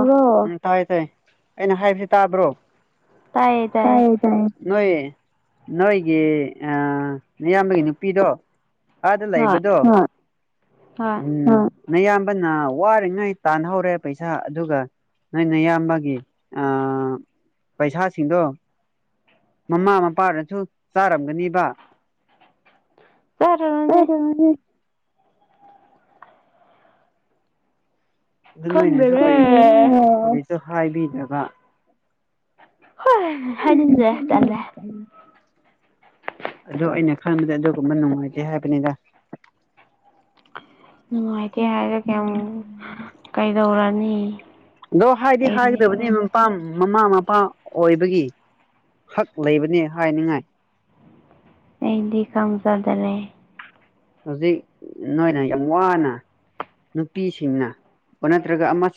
ꯑꯣ ꯎꯝ ꯇꯥꯏ ꯇꯥꯏ ꯑꯩꯅ ꯍꯥꯏꯕꯁꯤ ꯇꯥꯕ꯭ꯔꯣ ꯇꯥꯏꯌꯦ ꯇꯥꯏꯌꯦ ꯅꯣꯏ ꯅꯣꯏꯒꯤ ꯑꯌꯥꯝꯕꯒꯤ ꯅꯨꯄꯤꯗꯣ ꯑꯗꯥ ꯂꯩ ꯍꯣꯏ ꯕꯗꯣ ꯍꯣꯏ ꯎꯝ ꯅ ꯑꯌꯥꯝꯕꯅ ꯋꯥꯔꯤꯉꯩ ꯇꯥꯟꯍꯧꯔꯦ ꯄꯩꯁꯥ ꯄꯩꯁꯥ ꯑꯗꯨꯒ ꯅꯣꯏꯅ ꯏꯌꯥꯝꯕꯒꯤ ꯑꯥ ꯄꯩꯁꯥꯁꯤꯡꯗꯣ ꯃꯃꯥ ꯃꯄꯥꯅꯁꯨ ꯆꯥꯔꯝꯒꯅꯤꯕ ꯑ ꯆꯥꯔꯨꯔꯅꯤ [unintelligible] ꯑꯗꯨ ꯅꯣꯏꯅꯁꯨ ꯈꯪꯗꯔꯦ ꯀꯔꯤꯁꯨ ꯍꯥꯏꯕꯤꯗꯒ ꯍꯣꯏ ꯐ ꯍꯥꯏꯅꯤꯡꯗꯦ ꯇꯜꯂꯦ [unintelligible] ꯑꯗꯣ ꯑꯩꯅ ꯈꯪꯕꯗ ꯑꯗꯨꯒꯨꯝꯕ ꯅꯨꯡꯉꯥꯏꯇꯦ ꯍꯥꯏꯕꯅꯤꯗ ꯅꯨꯡꯉꯥꯏꯇꯦ ꯍꯥꯏꯁꯨ ꯀꯩ ꯀꯩꯗꯧꯔꯅꯤ ꯑꯗꯣ ꯍꯥꯏꯗꯤ ꯑꯩꯗꯤ ꯍꯥꯏꯒꯗꯕꯅꯦ ꯈꯪ ꯃꯄꯥ ꯃꯃꯥ ꯃ ꯅꯨꯄꯥ ꯑꯣꯏꯕꯒꯤ ꯍꯛ ꯂꯩꯕꯅꯦ ꯍꯥꯏꯅꯤꯡꯉꯥꯏ ꯏꯗꯤ ꯀꯝꯆꯥꯥꯗ ꯂꯩꯦ ꯍꯧꯖꯤꯛ ꯅꯣꯏꯅ ꯌꯥꯝ ꯋꯥꯅ ꯅꯨꯄꯤꯁꯤꯡꯅ ꯅꯠꯇ꯭ꯔꯒ ꯑꯃ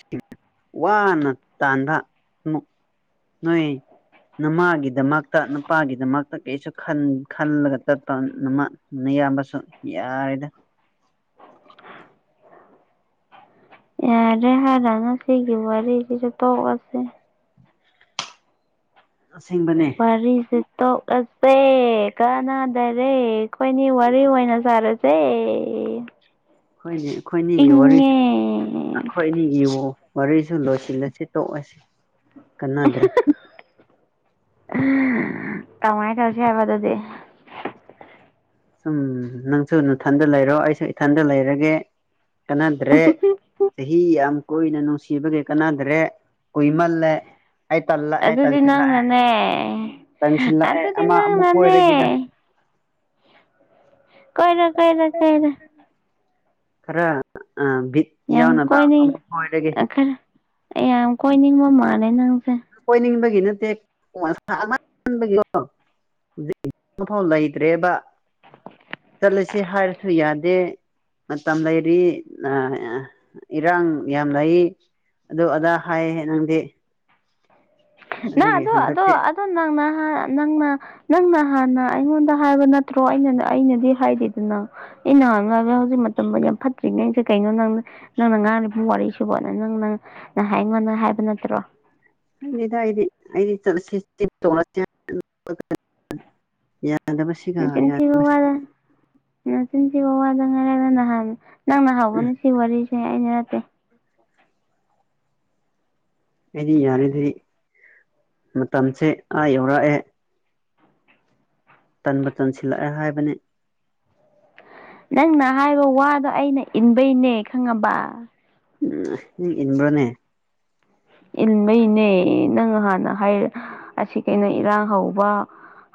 ꯋꯥꯅ ꯇꯥꯟꯊꯅꯨ ꯑꯃꯨꯛ ꯅꯣꯏ ꯅꯃꯥꯒꯤꯗꯃꯛꯇ ꯅꯨꯄꯥꯒꯤꯗꯃꯛꯇ ꯀꯩꯁꯨ ꯈꯜꯂꯒ ꯆꯠꯄ ꯏꯌꯥꯝꯕꯁꯨ ꯌꯥꯔꯦꯗ ꯌꯥꯔꯦ ꯍꯥꯏꯔꯅꯨ ꯁꯤꯒꯤ ꯋꯥꯔꯤꯔꯦꯗꯤꯁꯨ ꯇꯒꯁꯦ ꯑꯁꯦꯡꯕꯅꯦ ꯋꯥꯔꯤ ꯁꯦ ꯇꯣꯛꯂꯁꯦ ꯀꯅꯥꯗꯔꯦ ꯑꯩꯈꯣꯏꯅꯤ ꯋꯥꯔꯤ ꯑꯣꯏꯅ ꯁꯥꯔꯁꯦ ꯍꯣꯏꯅꯦ ꯑꯩꯈꯣꯏꯅꯤꯒꯤ ꯋꯥꯔꯤ ꯏꯪꯉꯦ ꯑꯩꯈꯣꯏꯅꯤꯒꯤ ꯋꯥꯔꯤꯁꯨ ꯂꯣꯏꯁꯤꯜꯂꯁꯤ ꯇꯣꯛꯑꯁꯤ ꯀꯅꯥꯗ꯭ꯔꯦ ꯀꯃꯥꯏ ꯇꯧꯁꯦ ꯍꯥꯏꯕ ꯑꯗꯨꯗꯤ ꯁꯨꯝ ꯅꯪꯁꯨ ꯅꯨꯡꯊꯟꯗ ꯂꯩꯔꯣ ꯑꯩꯁꯨ ꯏꯊꯟꯗ ꯂꯩꯔꯒꯦ ꯀꯅꯥꯗ꯭ꯔꯦ ꯆꯍꯤ ꯌꯥꯝ ꯀꯣꯏꯏꯅ ꯅꯨꯡꯁꯤꯕꯒꯤ ꯀꯥꯟꯅꯗ꯭ꯔꯦ ꯀꯨꯏꯃꯜꯂꯦ ꯑꯩ ꯇꯜꯂꯛ ꯑꯦ ꯑꯗꯨꯗꯤ ꯇꯜꯁꯤꯜꯂꯑꯦ ꯅꯪꯅꯅꯦ ꯇꯟꯁꯤꯜꯂꯛꯑꯦ ꯑꯗꯨꯗꯤ ꯑꯃ ꯑꯃꯨꯛ ꯀ ꯅꯪꯅꯅꯦ ꯑꯣꯏꯔꯒꯤꯗ ꯀꯣꯏꯔꯣ ꯀꯣꯏꯔꯣ ꯀꯣꯏꯔꯣ ꯈꯔ ꯑꯥ ꯕꯤꯠ ꯌꯥꯝ ꯌꯥꯎꯅꯕ ꯑꯃꯨꯛ ꯑꯣꯏꯔꯒꯦ ꯑꯦ ꯌꯥꯝ ꯀꯣꯏꯅꯤꯡ ꯃꯃꯥꯅꯦ ꯅꯪ ꯀꯣꯏꯅꯤꯡꯕꯒꯤ ꯅꯠꯇꯦꯒꯤ ꯍꯧꯖꯤ ꯃꯥꯎ ꯂꯩꯇ꯭ꯔꯦꯕ ꯆꯂ ꯁꯤ ꯍꯥꯔꯁꯨ ꯌꯥꯅꯤ ꯃꯇꯝ ꯂꯩꯔꯤ ꯅꯥ ꯑꯥ ꯏꯔꯥꯡ ꯌꯥꯝ ꯂꯩ ꯑꯗꯨ ꯑꯗ ꯍꯥꯏꯦ ꯅꯪꯗꯤ ꯅꯪ ꯑꯗꯨꯒꯤ ꯑꯗꯨꯗꯣ ꯑꯗꯣ ꯍꯟꯗꯛꯇꯤ ꯑꯣ ꯅꯪꯅ ꯅꯪꯅ ꯅꯪꯅ ꯍꯥꯟꯅ ꯑꯩꯉꯣꯟꯗ ꯍꯥꯏꯕ ꯅꯠꯇ꯭ꯔꯣ ꯑꯩꯅ ꯑꯩꯅꯗꯤ ꯍꯥꯏꯗꯦꯗꯅ ꯑꯩꯅꯥꯡꯉꯒ ꯍꯧꯖꯤꯛ ꯃꯇꯝ ꯌꯥꯝ ꯐꯠꯇ꯭ꯔꯤ ꯅꯁꯦ ꯀꯩꯅꯣ ꯅꯪ ꯅꯪꯅ ꯉꯥꯡꯂꯤꯔꯤꯕ ꯋꯥꯔꯤ ꯁꯕꯣꯅ ꯅꯪ ꯅꯪ ꯅꯍꯥꯛ ꯑꯩꯉꯣꯟꯗ ꯍꯥꯏꯕ ꯅꯠꯇ꯭ꯔ ꯎꯝ [unintelligible] ꯅꯆꯤꯟ ꯊꯤꯕꯥ ꯋꯥꯔꯥ ꯎꯝ ꯆꯤꯟꯁꯤꯕ ꯋꯥꯗ ꯉꯥꯏꯔꯒ ꯅꯍꯥꯟ ꯅꯪ ꯅ ꯍꯥꯎꯕꯅ ꯁꯤ ꯋꯥꯔꯤꯁꯨꯦ ꯑꯩꯅ ꯅꯠꯇꯦ ꯑꯩꯗꯤ ꯌꯥꯔꯗꯤ ꯃꯇꯝꯁꯦ ꯑꯥ ꯌꯧꯔꯛꯑꯦ ꯇꯟꯕ ꯇꯟꯁꯤꯜꯂꯛꯑꯦ ꯍꯥꯏꯕꯅꯦ ꯅꯪꯅ ꯍꯥꯏꯕ ꯋꯥꯗꯣ ꯑꯩꯅ ꯏꯟꯕꯩꯅꯦ ꯈꯪꯉꯕ ꯎꯝ ꯏꯟꯕꯅꯦ ꯏꯟꯕꯩꯅꯦ ꯅꯪ ꯍꯥꯟꯅ ꯍꯥꯏ ꯑꯁꯤ ꯀꯩꯅꯣ ꯏꯔꯥꯡ ꯍꯧꯕ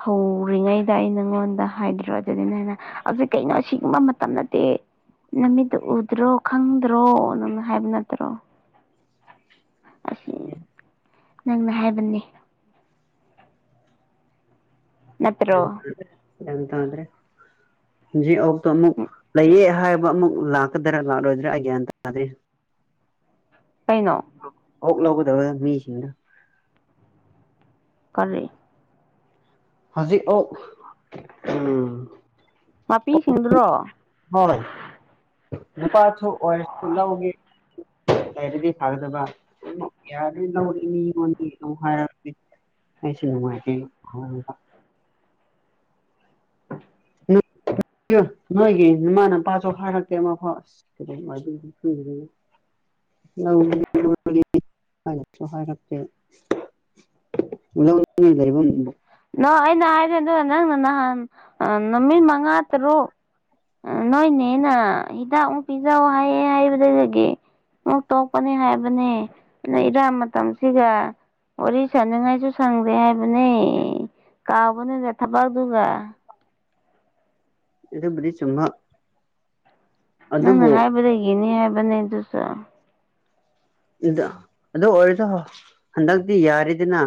ꯍꯧꯔꯤꯉꯩꯗ ꯑꯩ ꯅꯪꯉꯣꯟꯗ ꯍꯥꯏꯗ꯭ꯔꯣ ꯑꯗꯨꯅꯤꯅ ꯍꯅ ꯍꯧꯖꯤꯛ ꯀꯩꯅꯣ ꯁꯤꯒꯨꯝꯕ ꯃꯇꯝ ꯅꯠꯇꯦ ꯅꯃꯤꯠꯇꯨ ꯎꯗ꯭ꯔꯣ ꯈꯪꯗ꯭ꯔꯣ ꯅꯪꯅ ꯍꯥꯏꯕ ꯅꯠꯇ꯭ꯔꯣ ꯑꯁꯤ ꯍꯥꯏꯗꯦ ꯅꯪꯅ ꯍꯥꯏꯕꯅꯦ ꯅꯠꯇ꯭ꯔꯣ ꯒ꯭ꯌꯥꯟ ꯇꯥꯗ꯭ꯔꯦ ꯍꯧꯖꯤꯛ ꯑꯣꯛꯇꯨ ꯑꯃꯨꯛ ꯂꯩꯌꯦ ꯍꯥꯏ ꯑꯃꯨꯛ ꯂꯥꯛꯀꯗ꯭ꯔꯥ ꯂꯥꯛꯂꯣꯏꯗ꯭ꯔꯥ ꯑꯩ ꯒ꯭ꯌꯥꯟ ꯇꯥꯗꯦ ꯀꯩꯅꯣ ꯑꯣꯛ ꯂꯧꯒꯗꯕꯗ ꯃꯤꯁꯤꯡꯗꯨ ꯀꯔꯔꯤ ꯍꯧꯖꯤꯛ ꯑꯣꯛ ꯎꯝ ꯃꯄꯤꯁꯤꯡꯗꯨꯔꯣ ꯍꯣꯏ ꯅꯨꯄꯥꯁꯨ ꯑꯣꯏꯔꯁꯨ ꯂꯧꯒꯦ ꯂꯩꯔꯗꯤ ꯐꯒꯗꯕ ꯌꯥꯔꯗꯤ [unintelligible] ꯑꯩꯁꯦ [unintelligible] [unintelligible] [unintelligible] ꯅꯣꯏꯒꯤ ꯅꯃꯥꯅꯄꯥꯁꯨ ꯍꯥꯏꯔꯛꯇꯦ ꯑꯃꯐꯥꯎ [unintelligible] ꯂꯧ [unintelligible] ꯀꯔꯤꯁꯨ ꯍꯥꯢꯔꯛꯇꯦ ꯂꯧ [unintelligible] ꯂꯩꯕꯝ ꯑ ꯑꯩꯅ ꯍꯥꯏꯔꯦ ꯑꯗꯨꯒ ꯅꯪꯅ ꯅꯍꯥꯟ ꯅꯨꯃꯤꯠ ꯃꯉꯥ ꯇꯔꯨꯛ ꯅꯣꯏꯅꯦꯅ ꯍꯤꯗꯥꯛ ꯑꯃꯨꯛ ꯄꯤꯖꯧ ꯍꯥꯏꯌꯦ ꯍꯥꯏꯕꯗꯨꯗꯒꯤ ꯑꯣꯛ ꯇꯣꯛꯄꯅꯤ ꯍꯥꯏꯕꯅꯦ ꯂꯩꯅ ꯃꯇꯝꯁꯤꯒ ꯋꯥꯔꯤ ꯁꯅꯉꯥꯏꯁꯨ ꯁꯪꯗꯦ ꯍꯥꯏꯕꯅꯦ ꯀꯥꯎꯕꯅꯤꯅ ꯊꯕꯛꯗꯨꯒ ꯑꯗꯨꯕꯨꯗꯤ ꯆꯨꯝꯕ ꯅꯪꯅ ꯑꯗꯨꯕꯨ ꯍꯥꯏꯕꯗꯒꯤꯅꯤ ꯍꯥꯏꯕꯅꯦ ꯑꯗꯨꯁꯨ ꯑꯗꯨꯗ ꯑꯗꯨ ꯑꯣꯏꯔꯁꯨ ꯍꯟꯗꯛꯇꯤ ꯌꯥꯔꯤꯗꯅ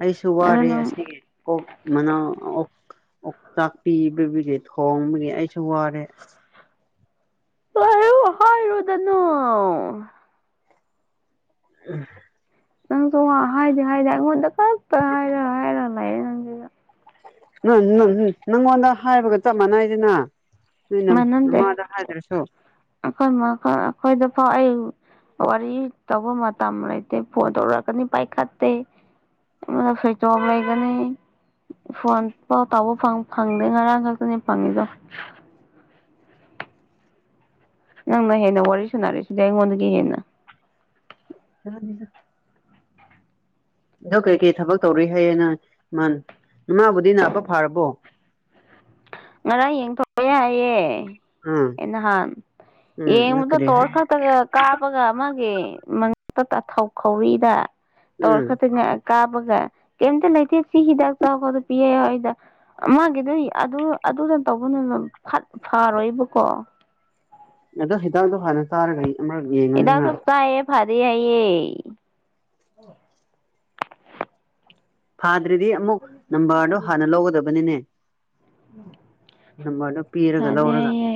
ꯑꯩꯁꯨ ꯑꯗꯨ ꯋꯥꯔꯦ ꯅꯪ ꯑꯁꯤꯒꯤ ꯀꯣꯛ ꯃꯅꯥ ꯑꯣꯛꯆꯥꯛꯄꯤꯕꯕꯨꯒꯤ ꯊꯣꯡꯕꯒꯤ ꯑꯩꯁꯨ ꯋꯥꯔꯦ ꯑꯁ [unintelligible] ꯍꯥꯏꯔꯨꯗꯅꯣ ꯎꯝ ꯅꯪꯁꯨ ꯍꯥꯏꯗꯤ ꯍꯥꯏꯗꯦ ꯑꯩꯉꯣꯟꯗ ꯈꯛꯇ ꯍꯥꯏꯔ ꯍꯥꯏꯔ ꯂꯩꯔꯦ ꯅꯪꯁꯤꯁꯨ ꯅ ꯅ ꯅꯪ ꯅꯪꯉꯣꯟꯗ ꯍꯥꯏꯕꯒ ꯆꯞ ꯃꯥꯟꯅꯩꯗꯅ ꯅꯣꯏꯅ ꯃꯅꯟꯗꯦ ꯅꯃꯥꯗ ꯍꯥꯏꯗ꯭ꯔꯁꯨ ꯑꯩꯈꯣꯏ ꯃꯥ ꯑꯩꯈꯣꯏꯗꯨ ꯍꯣ ꯑꯩ ꯋꯥꯔꯤ ꯇꯧꯕ ꯃꯇꯝ ꯂꯩꯇꯦ ꯐꯣꯟ ꯇꯧꯔꯛꯀꯅꯤ ꯄꯥꯏꯈꯠꯇꯦ ꯁ꯭ꯋꯤꯠꯁ ꯑꯣꯐ ꯂꯩꯒꯅꯤ ꯐꯣꯟ ꯄꯥꯎ ꯇꯥꯎꯕ ꯐꯪꯗꯦ ꯉꯔꯥꯡ ꯈꯛꯇꯅꯤ ꯐꯪꯉꯤꯗꯣ ꯅꯪꯅ ꯍꯦꯟꯅ ꯋꯥꯔꯤ ꯁꯨꯅꯔꯤꯁꯤꯗꯤ ꯑꯩꯉꯣꯟꯗꯒꯤ ꯍꯦꯟꯅ ꯌꯥꯅꯤꯅ ꯑꯗꯨ ꯀꯩꯀꯩ ꯊꯕꯛ ꯇꯧꯔꯤ ꯍꯥꯏꯌꯦ ꯅꯪ ꯏꯃꯥꯅ ꯏꯃꯥꯕꯨꯗꯤ ꯅꯥꯕ ꯐꯥꯔꯕꯣ [inaudible] ꯉꯔꯥꯡ ꯌꯦꯡꯊꯣꯛꯑꯦ ꯍꯥꯏꯌꯦ ꯎꯝ ꯑꯦ ꯅꯍꯥꯟ ꯎꯝ ꯅ ꯌꯦꯡꯕꯗ ꯀꯔꯤ ꯇꯣꯔ ꯍꯥꯏ ꯈꯛꯇꯒ ꯀꯥꯞꯄꯒ ꯑꯃꯒꯤ ꯊꯥꯎ ꯈꯧꯔꯤꯗ ꯇꯧꯔ ꯎꯝ ꯈꯛꯇꯅ ꯀꯥꯕꯒ ꯀꯩꯇ ꯂꯩꯇꯦ ꯁꯤ ꯍꯤꯗꯥꯛ ꯆꯥꯎꯕꯗ ꯄꯤꯌꯦ ꯑꯩꯗ ꯃꯥꯒꯤꯗ ꯑꯗꯨ ꯑꯗꯨꯅ ꯇꯧꯕꯅꯤꯅ ꯐꯠ ꯐꯔꯣꯏꯕꯀꯣ ꯑꯗꯣ ꯍꯤꯗꯥꯛꯗꯣ ꯍꯥꯟꯅ ꯇꯥꯔꯒꯩ ꯑꯃꯛ ꯌꯦꯡꯉꯨꯅꯤꯅ ꯐꯗꯏꯌꯦ ꯐꯥꯗ꯭ꯔꯗꯤ ꯑꯃꯨꯛ ꯅꯝꯕꯔꯗꯣ ꯍꯥꯟꯅ ꯂꯧꯒꯗꯕꯅꯤꯅꯦ ꯅꯝꯕꯔꯗꯣ ꯄꯤꯔꯒ ꯂꯧꯔꯒ ꯐꯗꯌ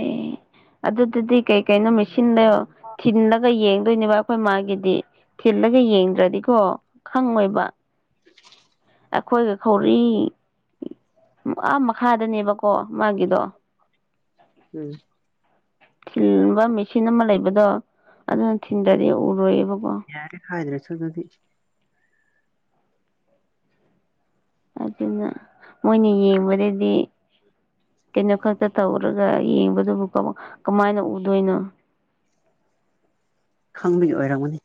ꯑꯗꯨꯗꯨꯗꯤ ꯀꯩ ꯀꯩꯅꯣ ꯃꯦꯆꯤꯟꯗ ꯊꯤꯟꯜꯂꯒ ꯌꯦꯡ ꯑꯗꯨꯗꯣꯏꯅꯦꯕ ꯑꯩꯈꯣꯏ ꯃꯥꯒꯤꯗꯤ ꯊꯤꯜꯂꯒ ꯌꯦꯡꯗ꯭ꯔꯗꯤꯀꯣ ꯈꯪꯉꯣꯏꯕ ꯑꯩꯈꯣꯏꯒ ꯀꯧꯔꯤ ꯑꯥ ꯃꯈꯥꯗꯅꯦꯕꯀꯣ ꯃꯥꯒꯤꯗꯣ ꯎꯝ ꯊꯤꯟꯕ ꯃꯦꯆꯤꯟ ꯑꯃ ꯂꯩꯕꯗꯣ ꯑꯗꯨꯅ ꯊꯤꯟꯗ꯭ꯔꯗꯤ ꯎꯔꯣꯏꯌꯦꯕꯀꯣ ꯁꯒꯗꯤ ꯑꯗꯨꯅ ꯃꯣꯏꯅ ꯌꯦꯡꯕꯗꯗꯤ ꯀꯩꯅ ꯈꯛꯇꯇ ꯇꯧꯔꯒ ꯌꯦ ꯕꯨ ꯀꯃꯥꯏꯅ ꯎꯗꯣꯏꯅꯣ ꯈꯪꯕꯒꯤ ꯑꯣꯏꯔꯝꯒꯅꯤ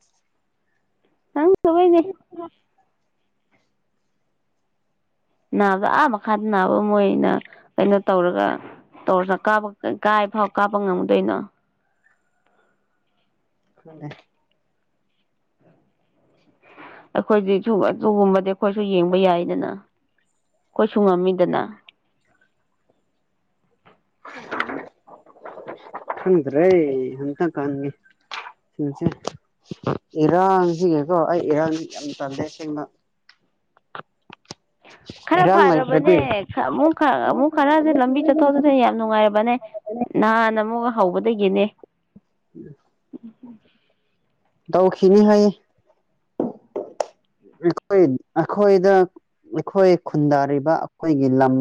ꯅꯪ ꯊꯣꯏꯅꯦꯦ ꯅꯥꯕꯗ ꯑꯥ ꯃꯈꯥꯗ ꯅꯥꯕ ꯃꯣꯏꯅ ꯀꯩꯅꯣ ꯇꯧꯔꯒ ꯇꯧꯔ ꯀꯥꯕ ꯀꯥꯏ ꯐꯥꯎ ꯀꯥꯞꯄ ꯉꯝꯗꯣꯏꯅꯣ ꯑꯗꯦ ꯑꯩꯈꯣꯏꯁꯤ ꯁ ꯑꯗꯨꯒꯨꯝꯕꯗꯤ ꯑꯩꯈꯣꯏꯁꯨ ꯌꯦꯡꯕ ꯌꯥꯏꯗꯅ ꯑꯩꯈꯣꯏꯁꯨꯨꯡ ꯉꯝꯃꯤꯗꯅ ꯍꯪꯗ꯭ꯔꯦ ꯍꯇ ꯀꯥꯟꯅꯤ ꯁꯤꯁꯦ ꯏꯔꯥꯡꯁꯤꯒꯦꯀꯣ ꯑꯩ ꯏꯔꯥꯡ ꯌꯥꯝ ꯇꯜꯗꯦ ꯁꯦꯡꯅ [unintelligible] ꯈꯔ ꯐꯔꯕꯅꯦ ꯂꯩꯇ꯭ꯔꯗꯤ ꯑꯃꯨꯛ ꯑꯃꯨꯛ ꯈꯔꯁꯦ ꯂꯝꯕꯤ ꯆꯠꯊꯣꯛꯗꯁꯦ ꯌꯥꯝ ꯅꯨꯡꯉꯥꯏꯔꯕꯅꯦ ꯅꯍꯥꯟ ꯑꯃꯨꯛꯒ ꯍꯧꯕꯗꯒꯤꯅꯦ ꯎ ꯎꯝ ꯇꯥꯎꯈꯦꯅꯤ ꯍꯥꯏꯌꯦ ꯑꯩꯈꯣꯏ ꯑꯩꯈꯣꯏꯗ ꯑꯩꯈꯣꯏ ꯈꯨꯟꯗꯥꯔꯤꯕ ꯑꯩꯈꯣꯏꯒꯤ ꯂꯝ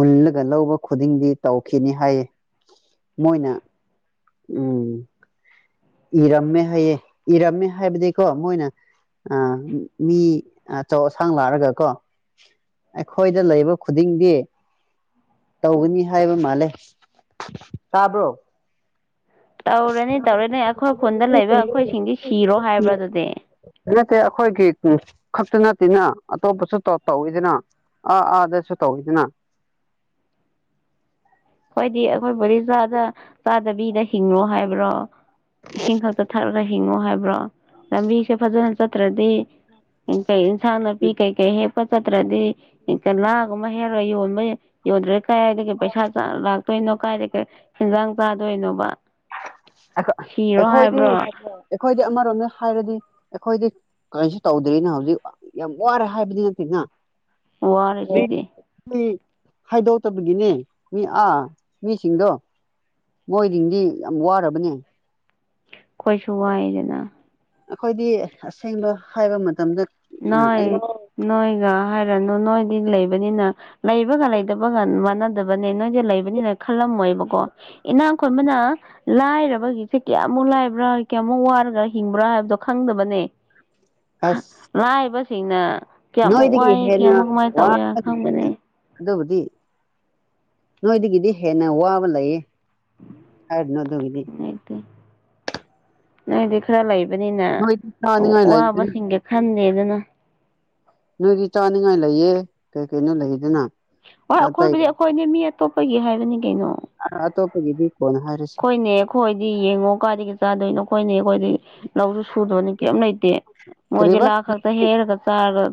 ꯃꯨꯜꯂꯒ ꯂꯧꯕ ꯈꯨꯗꯤꯡꯗꯤ ꯇꯧꯈꯤꯅꯤ ꯍꯥꯏꯌꯦ ꯃꯣꯏꯅ ꯎꯝ ꯏꯔꯝꯃꯦ ꯍꯥꯏꯌꯦꯦ ꯏꯔꯝꯃꯦ ꯍꯥꯏꯕꯗꯤꯀꯣ ꯃꯣꯏꯅ ꯑ ꯃꯤ ꯑꯆꯧ ꯑꯁꯥꯡ ꯂꯥꯛꯑꯒ ꯀꯣ ꯑꯩꯈꯣꯏꯗ ꯂꯩꯕ ꯈꯨꯗꯤꯡꯗꯤ ꯇꯧꯒꯅꯤ ꯍꯥꯏꯕ ꯃꯥꯜꯂꯦ ꯇꯥꯕ꯭ꯔꯣ ꯇꯧꯔꯅꯤ ꯇꯧꯔꯅꯤ ꯑꯩꯈꯣꯏ ꯈꯨꯟꯗ ꯂꯩꯕ ꯑꯩꯈꯣꯏꯁꯤꯡꯗꯤ ꯁꯤꯔꯣ ꯍꯥꯏꯕ꯭ꯔꯥ ꯑꯗꯨꯗꯤ ꯅꯠꯇꯦ ꯑꯩꯈꯣꯏꯒꯤ ꯈꯛꯇ ꯅꯠꯇꯦꯅ ꯑꯇꯣꯞꯄꯁꯨ ꯇꯧꯋꯤꯗꯅ ꯑꯥ ꯑꯥ ꯑꯗꯨꯁꯨ ꯇꯧꯋꯗꯅ ꯍꯣꯏꯗꯤ ꯑꯩꯈꯣꯏ ꯕꯔꯤꯖꯥꯗ ꯆꯥꯗꯕꯤꯗ ꯍꯤꯡꯉꯣ ꯍꯥꯏꯕ꯭ꯔꯣ ꯏꯁꯤꯡ ꯈꯛꯇ ꯊꯛꯂꯒ ꯍꯤꯡꯉꯣ ꯍꯥꯏꯕ꯭ꯔꯣ ꯂꯝꯕꯤꯁꯦ ꯐꯖꯅ ꯆꯠꯇ꯭ꯔꯗꯤ ꯀꯩ ꯏꯟꯁꯥꯡ- ꯅꯥꯄꯤ ꯀꯩ ꯀꯩ ꯍꯦꯛ ꯆꯠꯇ꯭ꯔꯗꯤ ꯀ ꯥꯂꯥꯒꯨꯝꯕ ꯍꯦꯛꯂ ꯌꯣꯟꯕ ꯌꯣꯟꯗ꯭ꯔꯦ ꯀꯥꯏꯗꯤ ꯄꯩꯁꯥ ꯂꯥꯛꯇꯣꯏꯅꯣ ꯀꯥꯏꯗꯥ- ꯀꯩ ꯍꯦꯟꯖꯥꯡ ꯆꯥꯗꯣꯏꯅꯣꯕ ꯑꯩꯈꯣꯢ ꯁꯤꯔꯣ ꯑꯩꯈꯣꯏꯗꯤ ꯍꯥꯏꯕ꯭ꯔꯣ ꯑꯩꯈꯣꯏꯗꯤ ꯑꯃꯔꯣꯝꯗ ꯍꯥꯏꯕꯗꯤ ꯑꯩꯈꯣꯏꯗꯤ ꯀꯔꯤꯖꯨ ꯇꯧꯗ꯭ꯔꯤꯅ ꯍꯧꯖꯤꯛ ꯌꯥꯝ ꯋꯥꯔꯦ ꯍꯥꯏꯕꯗꯤ ꯅꯠꯇꯦꯅ ꯋꯥꯔꯤꯁꯤꯗꯤ ꯍꯥꯏꯗꯣꯛꯇꯕꯒꯤꯅꯦ ꯃꯤ ꯑꯥ ꯃꯤꯁꯤꯡꯗꯣ ꯃꯣꯏꯖꯤꯡꯗꯤ ꯌꯥꯝ ꯋꯥꯔꯕꯅꯦ ꯈꯣꯏꯁꯨ ꯋꯥꯏꯑꯦꯗꯅ ꯑꯩꯈꯣꯏꯗꯤ ꯑꯥꯁꯦꯡꯕ ꯍꯥꯏꯕ ꯃꯇꯝꯗ ꯑ ꯑꯩ ꯅꯣꯏ-ꯅꯣꯏꯅ ꯍꯥꯏꯔꯅꯨ ꯅꯣꯏ ꯂꯩꯕꯅꯤꯅ ꯂꯩꯕꯒ-ꯂꯩꯇꯕꯒ ꯃꯥꯟꯅꯗꯕꯅꯦ ꯅꯣꯏꯖꯦ ꯂꯩꯕꯅꯤꯅ ꯈꯜꯂꯝꯃꯣꯏꯑꯥꯕ ꯀꯣ ꯏꯅꯥꯛ ꯈꯨꯟꯕꯅ ꯂꯥꯏꯔꯕꯒꯤ ꯁꯤ ꯀꯌꯥꯃꯨꯛ ꯂꯥꯏꯔꯕ꯭ꯔꯥ-ꯀꯌꯥꯃꯨꯛ ꯋꯥꯔꯒ ꯍꯤꯡꯕ꯭ꯔꯥ ꯍꯥꯏꯕꯗꯣ ꯈꯪꯗꯕꯅꯦ ꯑꯁ ꯂꯥꯏꯔꯕꯁꯤꯡꯅ ꯀꯌꯥꯃꯨꯛ ꯅꯣꯏꯗꯒꯤ ꯋꯥꯏ ꯍꯦꯟꯅ -ꯀꯌꯥꯃꯨꯛ ꯀꯃꯥꯏꯅ ꯇꯧꯏ ꯋꯥꯕ ꯈꯪꯕꯅꯦ ꯑꯗꯨꯕꯨꯗꯤ ꯅꯣꯏꯗꯒꯤꯗꯤ ꯍꯦꯟꯅꯥꯋꯥꯕ ꯂꯩꯌꯦ ꯍꯥꯏꯒꯅꯣ ꯑꯗꯨ ꯒꯤꯗꯤ ꯅꯣꯏꯗꯤ ꯅꯣꯏꯗꯤ ꯈꯔꯥ ꯂꯩꯕꯅꯤꯅ ꯅꯣꯏꯗꯤ ꯑꯋꯥ ꯆꯥꯅꯤꯡꯉꯥꯏ ꯂꯩꯗꯅ ꯋꯥꯕꯁꯤꯡꯒꯤ ꯈꯟꯗꯦꯗꯅ INAUDIBLE ꯅꯣꯏꯒꯤ ꯆꯥꯅꯤꯉꯥꯏ ꯂꯩꯌꯦ ꯀꯩ- ꯀꯩꯅꯣ ꯂꯩꯗꯅ ꯑꯣꯏ ꯑꯗꯣ ꯑꯇꯩ ꯑꯩꯈꯣꯏꯕꯨꯗꯤ ꯑꯩꯈꯣꯏꯅꯤ ꯃꯤ ꯑꯇꯣꯞꯄꯒꯤ ꯍꯥꯏꯕꯅꯤ ꯀꯩꯅꯣ ꯑꯥ ꯑꯇꯣꯞꯄꯒꯤꯗꯤ ꯀꯣꯟꯅ ꯍꯥꯏꯔꯁꯤ ꯈꯣꯏꯅꯦ ꯑꯩꯈꯣꯏꯗꯤ ꯌꯦꯡꯉꯣ ꯀꯥꯏꯗꯒꯤ ꯆꯥꯗꯣꯏꯅꯣ ꯈꯣꯏꯅꯦ ꯑꯩꯈꯣꯏꯗꯤ ꯂꯧꯖꯨ ꯁꯨꯗꯕꯅꯤ ꯀꯩꯝ ꯂꯩꯇꯦ ꯃꯣꯏꯗꯤ ꯀꯔꯤꯕ ꯂꯥ ꯈꯛꯇ ꯍꯦꯛꯑꯒ ꯆꯥꯔꯒ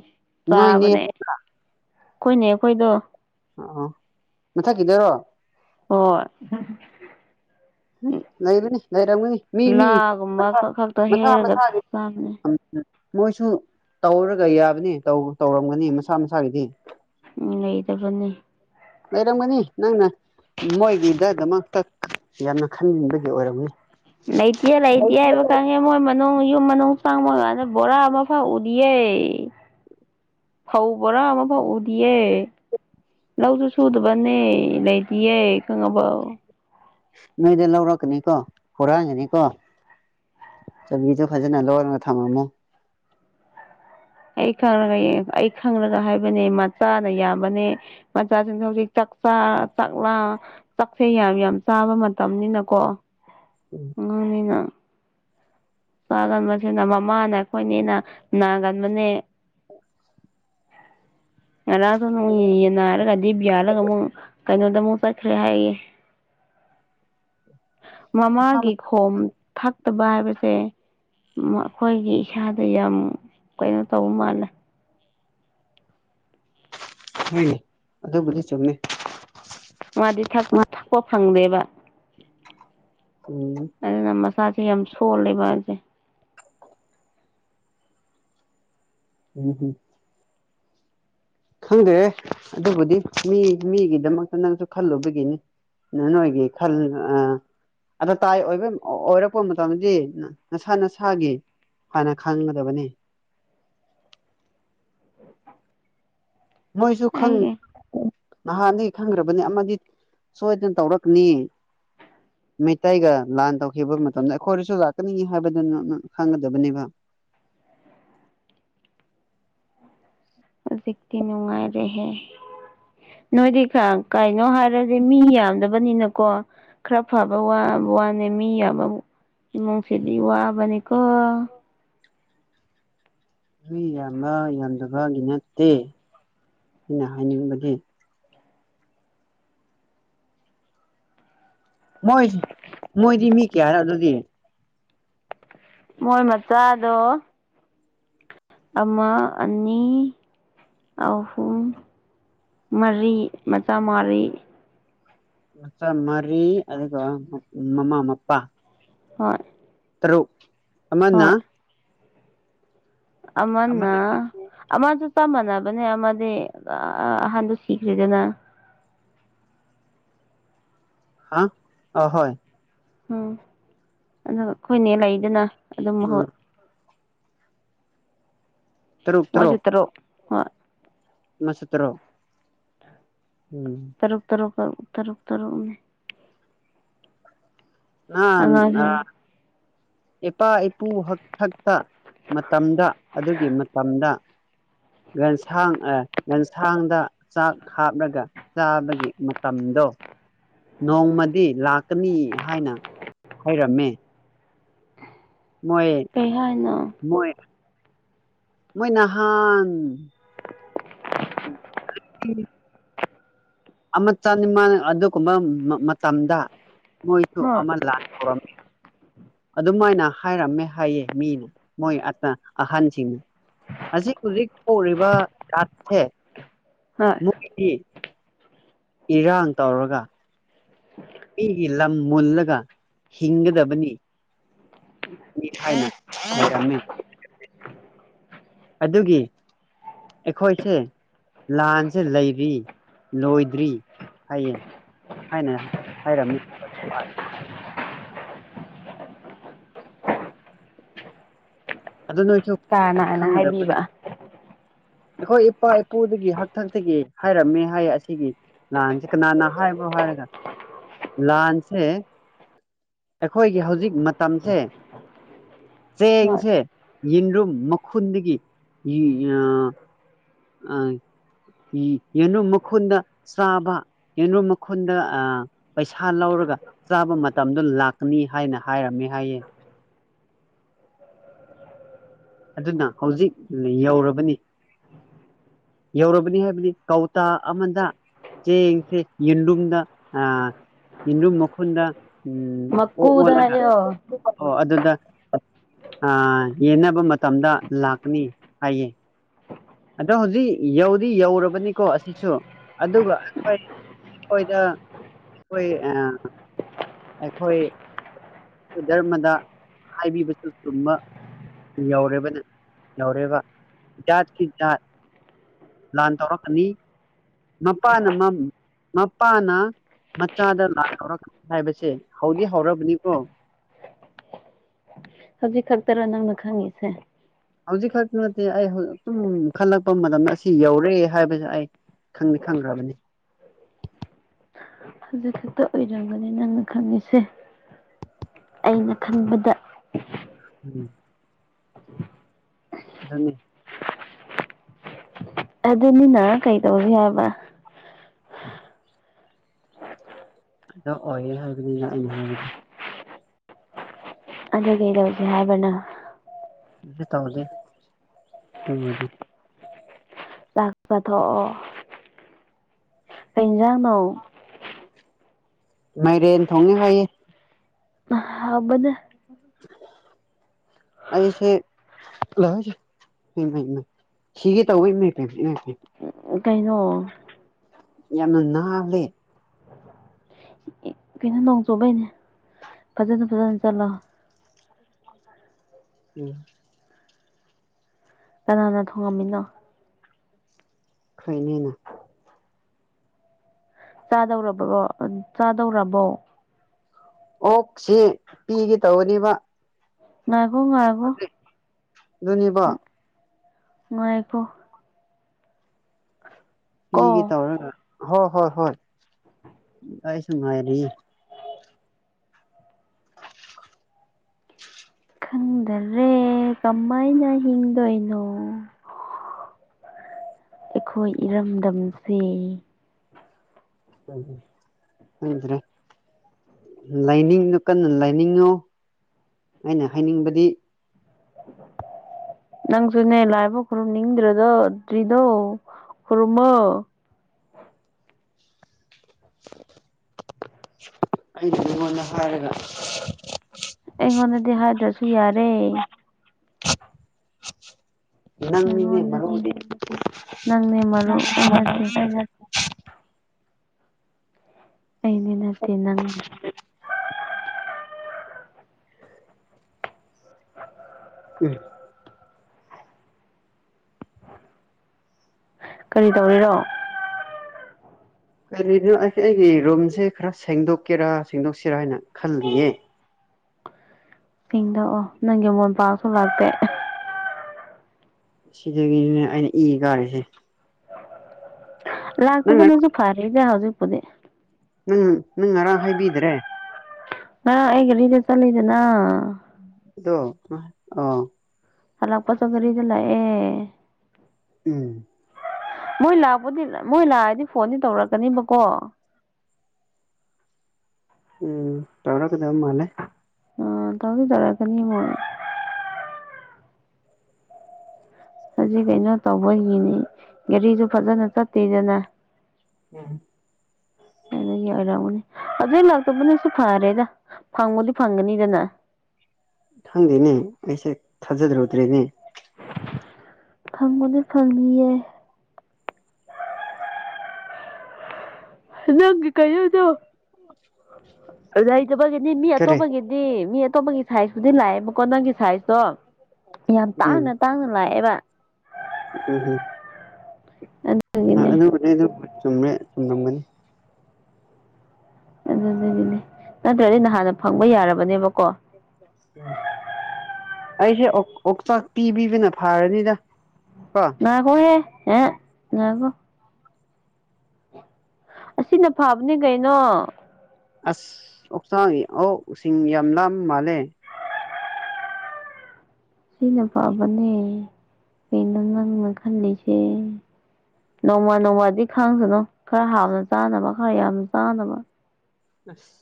ꯅꯣꯏꯅꯦ ꯆꯥꯕꯅꯦ ꯈꯣꯏꯅꯦ ꯈꯣꯏꯗꯣ ꯑꯣꯑꯣ ꯃꯊꯛꯀꯤꯗꯔꯣ ꯍꯣ ꯑꯣꯢ ꯍꯨꯡ ꯂꯩꯕꯅꯤ ꯂꯩ ꯇꯧꯒꯅꯤ ꯃꯤ ꯃꯤ ꯂꯥꯒꯨꯝꯕ ꯈꯛ ꯈꯛꯇ ꯃꯁꯥ ꯍꯦꯛꯔꯒ ꯃꯁꯥꯒꯤ ꯆꯥꯕꯅꯦ ꯃꯣꯏꯖꯨ ꯇꯧꯔꯒ ꯌꯥꯕꯅꯤ ꯇꯧꯇꯧꯔꯝꯒꯅꯤ ꯃꯁꯥ ꯃꯁꯥꯒꯤꯗꯤ ꯎꯪ ꯂꯩꯇꯕꯅꯤ ꯂꯩꯔꯝꯒꯅꯤ ꯅꯪꯅꯥ ꯃꯣꯏꯒꯤꯗ -ꯗꯃꯛꯇ ꯌꯥꯝꯅ ꯈꯜꯂꯤꯕꯒꯤ ꯑꯣꯏꯔꯝꯅꯤ ꯂꯩꯇꯤꯌꯥꯦ- ꯂꯩꯇꯤꯌꯦ ꯍꯥꯏꯕ ꯈꯪꯢ ꯃꯣꯏ ꯃ ꯅꯣꯏ ꯌꯨꯝ ꯃꯅꯨꯡ ꯆꯪꯕ ꯀꯥꯟꯗ ꯕꯣꯔ ꯑꯃꯥ ꯐꯥꯎ ꯎꯗꯤꯌꯦ ꯐꯧꯕꯣꯔꯥ ꯑꯃꯥ ꯐꯥꯎ ꯎꯗꯤꯌꯦ ꯂꯧꯖꯨ ꯁꯨꯗꯕ ꯅꯦ ꯂꯩꯇꯤꯌꯦ ꯈꯪꯉꯕꯣ ꯅꯣꯏꯗ ꯂꯧꯔꯛꯀꯅꯤꯀꯣ ꯍꯨꯔꯥꯟꯒꯅꯤꯀꯣ ꯆꯕꯤꯗꯨ ꯐꯖꯅ ꯂꯣꯟꯂꯒ ꯊꯝꯃꯝꯃꯨ ꯑꯩ ꯈꯪꯉꯒ ꯌꯦꯡ ꯑꯩ ꯈꯪꯂꯒ ꯍꯥꯏꯕꯅꯦ ꯃꯆꯥꯅ ꯌꯥꯝꯕꯅꯦ ꯃꯆꯥꯖꯤꯡꯖꯨ ꯍꯧꯖꯤꯛ ꯆꯛ ꯆꯥ ꯆꯥꯛꯂꯥ ꯆꯥꯛꯁꯦ ꯌꯥꯝ-ꯌꯥꯝ ꯆꯥꯕ ꯃꯇꯝꯅꯤꯅꯀꯣ ꯅꯣꯏꯅꯤꯅ UNINTELLIGIBLE INAUDIBLE ꯉꯔꯥꯡꯁꯨ ꯅꯨꯡ ꯌꯦꯟ ꯅꯥꯔꯒ ꯗꯔꯤꯞ ꯌꯥꯜꯂꯒ ꯑꯃꯨꯛ ꯀꯩꯅꯣꯗ ꯑꯃꯨꯛ ꯆꯠꯈ꯭ꯔꯦ ꯍꯥꯏꯌꯦ ꯃꯃꯥꯒꯤ ꯈꯣꯝ ꯊꯛꯇꯕ ꯍꯥꯏꯕꯁꯦ ꯃꯈꯣꯏꯒꯤ ꯏꯁꯥꯗ ꯌꯥꯝ ꯀꯩꯅꯣ ꯇꯧꯕ ꯃꯥꯜꯂꯦ ꯍꯣꯏꯅꯦ ꯑꯗꯨꯕꯨꯗꯤ ꯆꯨꯝꯃꯦ ꯃꯥꯗꯤ ꯊꯛꯄ ꯊꯛꯄ ꯐꯪꯗꯦꯕ ꯎꯝ ꯑꯗꯨꯅ ꯃꯁꯥꯁꯦ ꯌꯥꯝ ꯁꯣꯜꯂꯦ ꯃꯥꯗꯤ ꯎꯝ ꯎꯝ ꯈꯪꯗꯔꯦꯍꯦ ꯑꯗꯨꯕꯨꯗꯤ ꯃꯤ ꯃꯤꯒꯤꯗꯃꯛꯇ ꯅꯪꯁꯨ ꯈꯜꯂꯨꯕꯒꯤꯅꯤ ꯅꯅꯣꯏꯒꯤ ꯈꯜ ꯑ ꯑꯗ ꯇꯥꯏ ꯑꯣꯏꯕ ꯑꯣꯏꯔꯛꯄ ꯃꯇꯝꯗꯗꯤ ꯅꯁꯥ ꯅꯁꯥꯒꯤ ꯍꯥꯏꯅ ꯈꯪꯒꯗꯕꯅꯤ ꯃꯣꯏꯁꯨ ꯈꯪ ꯑꯩꯒꯤ ꯅꯍꯥꯟꯗꯒꯤ ꯈꯪꯈ꯭ꯔꯕꯅꯦ ꯑꯃꯗꯤ ꯁꯣꯏꯗꯅ ꯇꯧꯔꯛꯀꯅꯤ ꯃꯩꯇꯩꯒ ꯂꯥꯟ ꯇꯧꯈꯤꯕ ꯃꯇꯝꯗ ꯑꯩꯈꯣꯏꯗꯁꯨ ꯂꯥꯛꯀꯅꯤ ꯍꯥꯏꯕꯗꯨꯃ ꯈꯪꯒꯗꯕꯅꯦꯕ [unintelligible] [inaudible] ꯍꯧꯖꯤꯛꯇꯤ ꯅꯨꯡꯉꯥꯏ ꯔꯦꯍꯦ ꯅꯣꯏꯗꯤ ꯈꯔ ꯀꯩꯅꯣ ꯍꯥꯏꯔꯗꯤ ꯃꯤ ꯌꯥꯝꯗꯕꯅꯤꯅꯀꯣ ꯈꯔ ꯐꯥꯕ ꯋꯥ ꯕꯋꯥꯅꯦ ꯃꯤ ꯌꯥꯕꯕꯨ ꯏꯃꯨꯡꯁꯤꯗꯤ ꯋꯥꯕꯅꯦꯀꯣ ꯃꯤ ꯌꯥꯝꯕ ꯌꯥꯝꯗꯕꯒꯤ ꯅꯠꯇꯦ ꯑꯩꯅ ꯍꯥꯏꯅꯤꯡꯕꯗꯤ ꯃꯣꯏ ꯃꯣꯏꯗꯤ ꯃꯤ ꯀꯌꯥꯔꯥ ꯑꯗꯨꯗꯤ ꯃꯣꯏ ꯃꯆꯥꯗꯨ ꯑꯃ ꯑꯅꯤ ꯑꯍꯨꯝ ꯃꯔꯤ ꯃꯆꯥ ꯃꯔꯤ ꯃꯆꯥ ꯃꯔꯤ ꯑꯗꯨ ꯃꯃꯥ ꯃꯄꯥꯥ ꯍꯣꯏ ꯇꯔꯨꯛ ꯑꯃꯅꯥ ꯑꯃꯅꯥ ꯑꯃꯗꯨ ꯆꯞ ꯃꯅꯕꯅꯦ ꯑꯃꯗꯤ ꯑ ꯑꯍꯟꯗꯨ ꯁꯤꯈ꯭ꯔꯦꯗꯅꯥ ꯍꯥ ꯑ ꯍꯣꯏ ꯎꯝ ꯑꯗꯨ ꯑꯩꯈꯣꯏ ꯅꯦ ꯂꯩꯗꯅ ꯑꯗꯨꯝ ꯎꯝ ꯃꯍꯨꯠ ꯃꯁꯨ ꯇꯔꯨꯛ ꯍꯣꯏ ꯃꯁꯨ ꯇꯔꯨꯛ ꯎꯝ ꯇꯔꯨꯛ ꯇꯔꯨꯛ ꯇꯣ ꯇꯔꯨꯛ ꯇꯔꯨꯛꯅꯦ ꯅꯥꯟꯔ ꯑꯉꯥꯡꯁꯤꯡ ꯏꯄꯥ ꯏꯄꯨ ꯍꯥꯛꯊꯛꯇ ꯃꯇꯝꯗ ꯑꯗꯨꯒꯤ ꯃꯇꯝꯗ ꯔꯦꯟꯁꯥꯡ ꯑꯦ ꯑꯦꯟꯁꯥꯡꯗ ꯆꯥꯛ ꯍꯥꯞꯂꯒ ꯆꯥꯕꯒꯤ ꯃꯇꯝꯅꯤ ꯑꯗꯣ ꯅꯣꯡꯃꯗꯤ ꯂꯥꯛꯀꯅꯤ ꯍꯥꯏꯅ ꯍꯥꯏꯔꯝꯃꯦ ꯃꯣꯏ ꯀꯩ ꯍꯥꯏꯅꯣ ꯃꯣꯏ ꯃꯣꯏ ꯅꯍꯥꯟ ꯎ [unintelligible] ꯑꯃ ꯆꯅꯤꯃꯥꯟ ꯑꯗꯨꯒꯨꯝꯕ ꯃꯇꯝꯗ ꯃꯣꯏꯁꯨ ꯍꯣꯏ ꯑꯃ ꯂꯥꯛ ꯇꯣꯔꯃꯦ ꯑꯗꯨꯃꯥꯏꯅ ꯍꯥꯏꯔꯝꯃꯦ ꯍꯥꯏꯌꯦ ꯃꯤꯅ ꯃꯣꯏ ꯑꯆ ꯑꯍꯟꯁꯤꯡꯅ ꯍꯥꯖꯤꯛ ꯔꯤꯛꯁ ꯑꯣꯏꯔꯤꯕ ꯖꯥꯠꯁꯦ ꯍꯣꯏ ꯅꯣꯏꯗꯤ ꯏꯔꯥꯡ ꯇꯧꯔꯒ ꯑꯩꯒꯤ ꯂꯝ ꯃꯨꯜꯂꯒ ꯍꯤꯡꯒꯗꯕꯅꯤ [unintelligible] ꯑꯗꯨꯒꯤ ꯑꯩꯈꯣꯏꯁꯦ ꯂꯥꯟꯁꯦ ꯂꯩꯔꯤ ꯂꯣꯏꯗ꯭ꯔꯤ ꯍꯥꯏꯌꯦ ꯍꯥꯏꯅ ꯍꯥꯏꯔꯝꯃꯤ ꯑꯗꯨ ꯅꯣꯏꯁꯨ ꯀꯅꯥꯅ ꯈꯪꯒꯗꯕꯅꯤ ꯍꯥꯏꯕꯤꯕ ꯑꯩꯈꯣꯏ ꯏꯄꯥ ꯏꯄꯨꯗꯒꯤ ꯍꯛꯊꯛꯇꯒꯤ ꯍꯥꯏꯔꯝꯃꯦ ꯍꯥꯏꯌꯦ ꯑꯁꯤꯒꯤ ꯂꯥꯟꯁꯤ ꯀꯅꯥꯅ ꯍꯥꯏꯕ꯭ꯔꯣ ꯍꯥꯏꯔ ꯂꯥꯟꯁꯦ ꯑꯩꯈꯣꯏꯒꯤ ꯍꯧꯖꯤꯛ ꯃꯇꯝꯁꯦ ꯍꯣꯏ ꯆꯦꯡꯁꯦ ꯌꯦꯔꯨꯝ ꯃꯈꯨꯟꯗꯒꯤ ꯑ ꯑ ꯌꯦꯔꯨꯝ ꯃꯈꯨꯟꯗ ꯆꯥꯕ ꯌꯦꯔꯨꯝ ꯃꯈꯨꯟꯗ ꯑ ꯄꯩꯁꯥ ꯂꯧꯔ ꯔꯒ ꯆꯥꯕ ꯃꯇꯝꯗ ꯂꯥꯛꯀꯅꯤ ꯍꯥꯏꯅ ꯍꯥꯏꯔꯝꯃꯦ ꯍꯥꯏꯌꯦ ꯑꯗꯨꯅ ꯍꯧꯖꯤꯛ ꯌꯧꯔꯕꯅꯤ ꯌꯧꯔꯕꯅꯤ ꯍꯥꯏꯕꯅꯤ ꯀꯧꯇꯥ ꯑꯃꯗ ꯆꯦꯡꯁꯦ ꯌꯦꯟꯔꯨꯝꯗ ꯑ ꯌꯦꯟꯔꯨꯝ ꯃꯈꯨꯟꯗ ꯎꯝ ꯑꯣ ꯃꯀꯨꯗ ꯑꯣꯂꯒ ꯍꯥꯏꯌꯣ ꯑꯣ ꯑꯗꯨ ꯌꯦꯟꯅꯕ ꯃꯇꯝꯗ ꯂꯥꯛꯀꯅꯤ ꯍꯥꯏꯌꯦꯦ ꯑꯗꯣ ꯍꯧꯖꯤꯛ ꯌꯧꯗꯤ ꯌꯧꯔꯕꯅꯤꯀꯣ ꯑꯁꯤꯁꯨ ꯑꯗꯨꯒ ꯑꯩꯈꯣꯏ ꯑꯩꯈꯣꯏꯗ ꯑꯩꯈꯣꯏ ꯑꯩꯈꯣꯏ ꯙꯔꯃꯗ ꯍꯥꯏꯕꯤꯕꯁꯨ ꯆꯨꯝꯕ ꯌꯧꯔꯦꯕꯅ ꯌꯧꯔꯦꯕ ꯖꯥꯠꯀꯤ ꯖꯥꯠ ꯂꯥꯟ ꯇꯧꯔꯛꯀꯅꯤ ꯃꯄꯥꯅ ꯃꯄꯥꯅ ꯃꯆꯥꯗ ꯂꯥꯟ ꯍꯧꯔꯛꯅꯤ ꯍꯥꯏꯕꯁꯦ ꯍꯧꯗꯤ ꯍꯧꯔꯕꯅꯤꯀꯣ [unintelligible] ꯈꯉꯦꯁꯦ ꯑꯗꯨ ꯅꯠꯇꯦ ꯑꯩ ꯍꯧ ꯑꯗꯨꯨꯝ ꯈꯜꯂꯛꯄ ꯃꯇꯝꯗ ꯑꯁꯤ ꯌꯧꯔꯦ ꯍꯥꯏꯕꯁꯦ ꯑꯩ ꯈꯪꯗꯤ ꯈꯪꯈ꯭ꯔꯕꯅꯤ ꯍꯧꯖꯤꯛ ꯈꯛꯇ ꯑꯣꯏꯔꯝꯒꯅꯤ ꯅꯪꯅ ꯈꯪꯉꯤꯁꯦ ꯑꯩꯅ ꯈꯟꯕꯗ ꯎꯝ ꯑꯗꯨꯅꯤ ꯑꯗꯨꯅꯤꯅ ꯀꯩ ꯇꯧꯔꯤ ꯍꯥꯏꯕ ꯑꯗꯣ ꯑꯣꯏꯌꯦ ꯍꯥꯏꯕꯅꯤꯅ ꯑꯩꯅ ꯍꯥꯏꯕꯗꯤ ꯑꯗꯨꯒꯤ ꯂꯧꯒꯦ ꯍꯥꯏꯕꯅ ꯀꯩꯁꯨ ꯇꯧꯗꯦ ꯑꯗꯨꯕꯨꯗꯤ ꯆꯥꯛ ꯆꯊꯣꯛꯑꯣ ꯀꯩ ꯑꯦꯟꯖꯥꯡ ꯅꯣ ꯃꯥꯏꯔꯦꯟ ꯊꯣꯡꯉꯦ ꯍꯥꯏꯌꯦ ꯍꯥꯥꯎꯕꯅꯦ ꯑꯩꯁꯦ ꯏꯃꯩ ꯁꯤꯒꯦ ꯇꯧꯑꯦꯅꯦ ꯏꯃꯥꯢꯄꯦꯝꯃꯥ ꯀꯩꯅꯣ ꯌꯥꯝꯅ ꯅꯥꯟꯂꯦ ꯀꯩꯅꯣ ꯅꯣꯡ ꯆꯨꯕꯩꯅꯦ ꯐꯖꯅ ꯐꯖꯅ ꯆꯠꯂꯣ ꯎꯝ ꯀꯅꯥꯅ ꯊꯣꯡꯉꯝꯃꯤꯅꯣ ꯈꯣꯏ ꯑꯅꯤꯅ ꯆꯥꯗꯧꯔꯕꯔꯣ ꯑ ꯆꯥꯗꯧꯔꯕꯣ ꯑꯣꯛꯁꯤ ꯄꯤꯒꯦ ꯇꯧꯕꯅꯤꯕ ꯉꯥꯏꯈꯣ ꯉꯥꯏꯈꯣ ꯑꯗꯨꯅꯦꯕ ꯉꯥꯏꯈꯣ ꯀꯣ ꯄꯤꯒꯦ ꯇꯧꯔꯒ ꯍꯣ ꯍꯣꯏ ꯍꯣꯏ ꯑꯩꯁꯨ ꯉꯥꯏꯔꯤ ꯈꯪꯗꯔꯦ ꯀꯃꯥꯏꯅ ꯍꯤꯡꯗꯣꯏꯅꯣ ꯑꯩꯈꯣꯏ ꯏꯔꯝꯗꯝꯁꯦ ꯎ ꯍꯗ꯭ꯔꯦ [unintelligible] ꯂꯥꯏꯅꯤꯡꯗꯨ ꯀꯟꯅ ꯂꯥꯏꯅꯤꯡꯉꯣ ꯑꯩꯅ ꯍꯥꯏꯅꯤꯡꯕꯗꯤ [unintelligible] ꯅꯪꯁꯨꯨꯅꯦ ꯂꯥꯏꯕꯧ ꯈꯣꯏꯔꯝꯈꯣꯏꯔꯝꯅꯤꯡꯗ꯭ꯔꯤꯗꯣ ꯗꯔꯤꯗꯨꯣ ꯈꯨꯔꯝꯃꯣ ꯑꯩꯗꯤꯅꯪꯉꯣꯟꯗ ꯍꯥꯏꯔꯔꯣꯏ ꯑꯩꯉꯣꯟꯗꯗꯤ ꯍꯥꯏꯗ꯭ꯔꯁꯨ ꯌꯥꯔꯦ ꯅꯪꯅꯤꯅꯦ ꯅꯪꯉꯣꯟꯗꯅꯦ ꯃꯔꯨꯗꯤ ꯅꯪꯅꯦ ꯃꯔꯨ ꯑꯩ ꯅꯠꯇꯦ [unintelligible] ꯑꯩꯅ ꯅꯠꯇꯦ ꯅꯪꯅꯦ ꯎꯝ ꯀꯔꯤ ꯇꯧꯔꯤꯔꯣ ꯀꯔꯤꯅꯣ ꯑꯁ ꯑꯩꯒꯤ ꯔꯨꯝꯁꯦ ꯈꯔ ꯁꯦꯡꯗꯣꯛꯀꯦꯔꯥ ꯁꯦꯡꯗꯣꯛꯁꯤꯔꯥ ꯍꯥꯏꯅ ꯈꯜꯂꯤꯌꯦ ꯁꯦꯡꯗꯣꯛꯑꯣ ꯅꯪꯒꯤ ꯃꯣꯟ ꯄꯥꯛꯁꯨ ꯂꯥꯛꯇꯦ ꯁꯤꯗꯒꯤꯅꯦ ꯑꯩꯅ ꯏ ꯀꯥꯔꯤꯁꯦ ꯅꯪ ꯂꯥꯛꯇꯕ ꯅꯁꯨ ꯐꯔꯦꯗ ꯍꯧꯖꯤꯛꯄꯨꯗꯤ ꯅꯪ ꯅꯪ ꯉꯔꯥꯡ ꯍꯥꯏꯕꯤꯗ꯭ꯔꯦ ꯉꯔꯥꯡ ꯑꯩꯒꯁꯨ ꯈꯔ ꯆꯠꯂꯦꯗꯅꯥ ꯑꯗꯣ ꯑ ꯍꯜꯂꯛꯄꯁꯨ ꯒꯔꯤꯗ ꯂꯥꯛꯑꯦ ꯎꯝ ꯃꯣꯏ ꯂꯥꯛꯄꯗꯤ ꯃꯣꯏ ꯂꯥꯛꯑꯗꯤ ꯐꯣꯟꯗꯤ ꯇꯧꯔꯛꯀꯅꯤꯕꯀꯣ ꯎꯝ ꯇꯧꯔꯛ ꯀꯗꯕ ꯃꯥꯜꯂꯦ ꯑ ꯇꯧꯗꯤ ꯇꯧꯔꯛꯀꯅꯤ ꯃꯣꯏ ꯍꯧꯖꯤꯛ ꯀꯩꯅꯣ ꯇꯧꯕꯒꯤꯅꯤ ꯒꯥꯔꯤꯁꯨ ꯐꯖꯅ ꯆꯠꯇꯦꯗꯅ ꯎꯝ ꯑꯗꯨꯒꯤ ꯑꯣꯏꯔꯝꯒꯅꯤ ꯑꯗꯨ ꯂꯥꯛꯇꯕꯅꯁꯨ ꯐꯔꯦꯗ ꯐꯪꯕꯨꯗꯤ ꯐꯪꯒꯅꯤꯗꯅ ꯈꯪꯗꯦꯅꯦ ꯑꯩꯁꯦ ꯊꯥꯖꯗ꯭ꯔ ꯗ꯭ꯔꯦꯅꯦ ꯐꯪꯕꯗꯤ ꯐꯪꯅꯤꯌꯦ ꯅꯪꯒꯤ ꯀꯩꯅꯣꯗꯣ [unintelligible] ꯂꯩꯇꯕꯒꯤꯅꯤ ꯃꯤ ꯀꯔꯤ ꯑꯇꯣꯞꯄꯒꯤꯗꯤ ꯃꯤ ꯑꯇꯣꯞꯄꯒꯤ ꯁꯥꯏꯖꯄꯨꯗꯤ ꯂꯥꯛꯑꯦ ꯀꯣ ꯅꯪꯒꯤ ꯁꯥꯏꯖꯇꯣ ꯌꯥꯝ ꯇꯥꯡꯅ ꯇꯥꯡꯅ ꯂꯥꯛꯑꯦꯕ ꯑꯝ ꯍꯝ ꯑꯗꯨꯒꯤꯅꯦ ꯑꯗꯨꯕꯨꯗꯤ ꯑꯗꯨꯕꯨꯗꯤ ꯆꯨꯝꯃꯦ ꯆꯨꯝꯂꯝꯒꯅꯤ ꯑꯗꯨꯅꯦ ꯑꯗꯨꯅꯦ ꯑꯗꯨ ꯎꯝ [unintelligible] ꯑꯩꯁꯦ ꯑꯣꯛ ꯑꯣꯛꯆꯥꯛ ꯄꯤꯕꯤꯕꯅ ꯐꯥꯔꯅꯤꯗ ꯀꯣ ꯉꯥꯏꯈꯣꯍꯦ ꯉꯥꯏꯍꯥꯛ ꯉꯥꯏꯈꯣ ꯑꯁꯤꯅ ꯐꯕꯅꯦ ꯀꯩꯅꯣ ꯑꯁ ꯑꯣꯛꯆꯥꯡ ꯑꯣꯛꯁꯤꯡ ꯌꯥꯝ ꯂꯥꯝꯕ ꯃꯥꯜꯂꯦ ꯁꯤꯅ ꯐꯕꯅꯦ ꯀꯩꯅꯣ ꯅꯪꯅ ꯈꯜꯂꯤꯁꯦ ꯅꯣꯡꯃ ꯅꯣꯡꯃꯗꯤ ꯈꯥꯡꯁꯅꯨ ꯈꯔ ꯍꯥꯎꯅ ꯆꯥꯅꯕ ꯈꯔ ꯌꯥꯝꯅ ꯆꯥꯅꯕ ꯑꯁ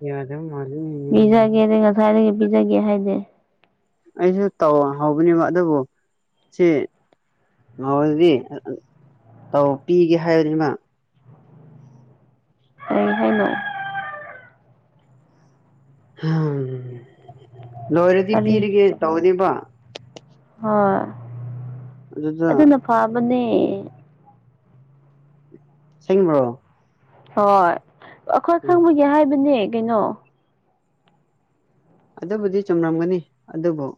ꯌꯥꯗꯝ ꯄꯤꯖꯥꯒꯦꯗꯤ ꯉꯁꯥꯏꯅ ꯄꯤꯖꯒꯦ ꯍꯥꯏꯗꯦ ꯑꯩꯁꯨ ꯇꯧ ꯍꯧꯕꯅꯦꯕ ꯑꯗꯨꯕꯨ ꯁꯤ ꯂꯥꯛꯑꯣ ꯑꯗꯨꯗꯤ ꯇꯧ ꯄꯤꯒꯦ ꯍꯥꯏꯔꯦꯗꯅ ꯍ [unintelligible] ꯎꯝ ꯍꯝ ꯂꯣꯏꯔꯗꯤ ꯀꯔꯤ ꯄꯤꯔꯒꯦ ꯇꯧꯕꯅꯦꯕ ꯍꯣꯏ ꯑꯗꯨꯗ ꯇꯨꯝꯃꯦ ꯁꯦꯡꯕ꯭ꯔꯣ ꯍꯣꯏ ꯑꯩꯈꯣꯏ ꯎꯝ ꯈꯪꯅꯒꯦ ꯍꯥꯏꯕꯅꯦ ꯀꯩꯅꯣ ꯑꯗꯨꯕꯨꯗꯤ ꯆꯨꯝꯔꯝꯒꯅꯤ ꯑꯗꯨꯕꯨ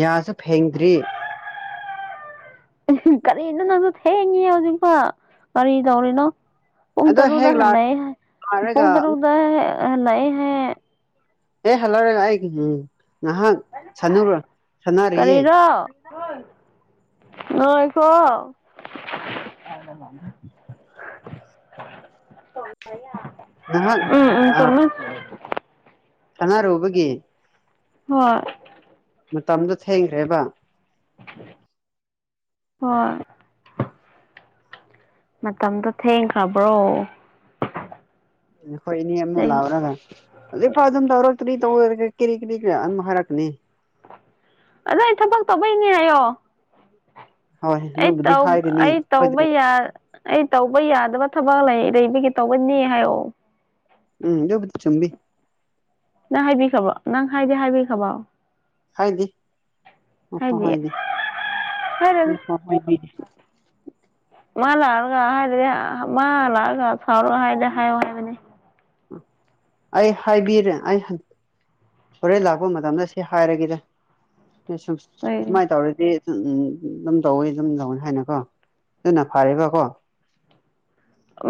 ꯌꯥꯁꯨ ꯐꯦꯡꯗ꯭ꯔꯤ ꯀꯔꯤꯅꯣ ꯅꯪꯁꯨ ꯊꯦꯡꯉꯦ ꯍꯧꯖꯤꯛꯐꯧ ꯀꯔꯤ ꯇꯧꯔꯤꯅꯣ ꯄꯨꯡ ꯑꯗꯣ ꯇꯔꯨꯛꯗ ꯍꯦꯛ ꯍꯜꯂꯛꯑꯦ ꯍꯥ ꯂꯥꯛꯔꯒ ꯄꯨꯡ ꯇꯔꯨꯛꯗ ꯍꯜꯂꯛꯑꯦ ꯍꯥꯏ ꯑꯦ ꯍꯂꯔ ꯉꯥꯏ ꯎꯝ [unintelligible] ꯉꯍꯥꯛ ꯁꯥꯟꯅꯔ ꯁꯥꯟꯅꯔꯤꯌꯦ ꯀꯔꯤꯔꯣ ꯉꯥꯏꯈꯣ ꯉꯍꯥꯛ ꯎꯝ ꯎꯝ ꯑ ꯆꯨꯝꯃꯦ ꯁꯥꯟꯅꯥꯔꯨꯕꯒꯤ ꯍꯣꯏ ꯃꯇꯝꯗꯨ ꯊꯦꯡꯈꯔꯦꯕ ꯍꯣꯏ ꯃꯇꯝꯗꯨ ꯊꯦꯡꯈ꯭ꯔꯥꯕ꯭ꯔꯣ ꯅꯈꯣꯏ ꯑꯅꯤ ꯑꯃꯃꯨꯛ ꯂꯥꯛꯔꯒ ꯍꯧꯖꯤꯛ ꯐꯥꯎ ꯑꯗꯨꯝ ꯇꯧꯔꯣ ꯀꯔꯤ ꯇꯧꯔꯦ ꯍꯥꯏꯔꯒ ꯀꯔꯤ ꯀꯔꯤ ꯀ ꯑꯃꯨꯛ ꯍꯥꯏꯔꯛꯀꯅꯤ ꯑꯗꯣ ꯑꯩ ꯊꯕꯛ ꯇꯧꯕꯩꯅꯦ ꯍꯥꯏꯌꯣ ꯍꯣꯏ ꯑꯩ ꯅꯣꯏꯕꯨꯗꯤ ꯇꯧ ꯍꯥꯏꯔꯅꯤ ꯑꯩ ꯍꯣꯏꯗ ꯇꯧꯕ ꯌꯥ ꯑꯩ ꯇꯧꯕ ꯌꯥ ꯗꯕ ꯊꯕꯛ ꯂꯩ ꯂꯩꯔꯤꯕꯒꯤ ꯇꯧꯕꯅꯤ ꯍꯥꯏꯌꯣ ꯎꯝ ꯗꯨꯕꯨꯗꯤ ꯆꯨꯝꯃꯤ ꯅꯪ ꯍꯥꯏꯕꯤꯈꯕꯣ ꯅꯪ ꯍꯥꯏꯗꯤ ꯍꯥꯏꯕꯤꯈꯔꯥꯕꯣ ꯍꯥꯏꯗꯤ ꯃꯈꯣꯏ ꯍꯥꯏꯗꯤ ꯍꯥꯏꯔꯣꯏꯗ ꯃꯈꯣꯏ ꯍꯥꯏꯗꯤ [unintelligible] ꯃꯥ ꯂꯥꯛꯔꯒ ꯍꯥꯏꯔꯗꯤ ꯃꯥ ꯂꯥꯛꯑꯒ ꯁꯥꯎꯔꯒ ꯍꯥꯏꯔꯗꯤ ꯍꯥꯏꯌꯣ ꯍꯥꯏꯕꯅꯦ ꯑꯩ ꯍꯥꯏꯕꯤꯔꯥ ꯑꯩ ꯍꯣꯔꯦꯟ ꯂꯥꯛꯄ ꯃꯇꯝꯗ ꯁꯤ ꯍꯥꯏꯔꯒꯦꯗ ꯁꯨ ꯀꯩ ꯁꯨꯃꯥꯏꯅ ꯇꯧꯔꯗꯤ ꯎꯝ ꯑꯗꯨꯝ ꯇꯧꯋꯤ ꯑꯗꯨꯝ ꯇꯧꯅꯤ ꯍꯥꯏꯅꯀꯣ ꯑꯗꯨꯅ ꯐꯔꯦꯕꯀꯣ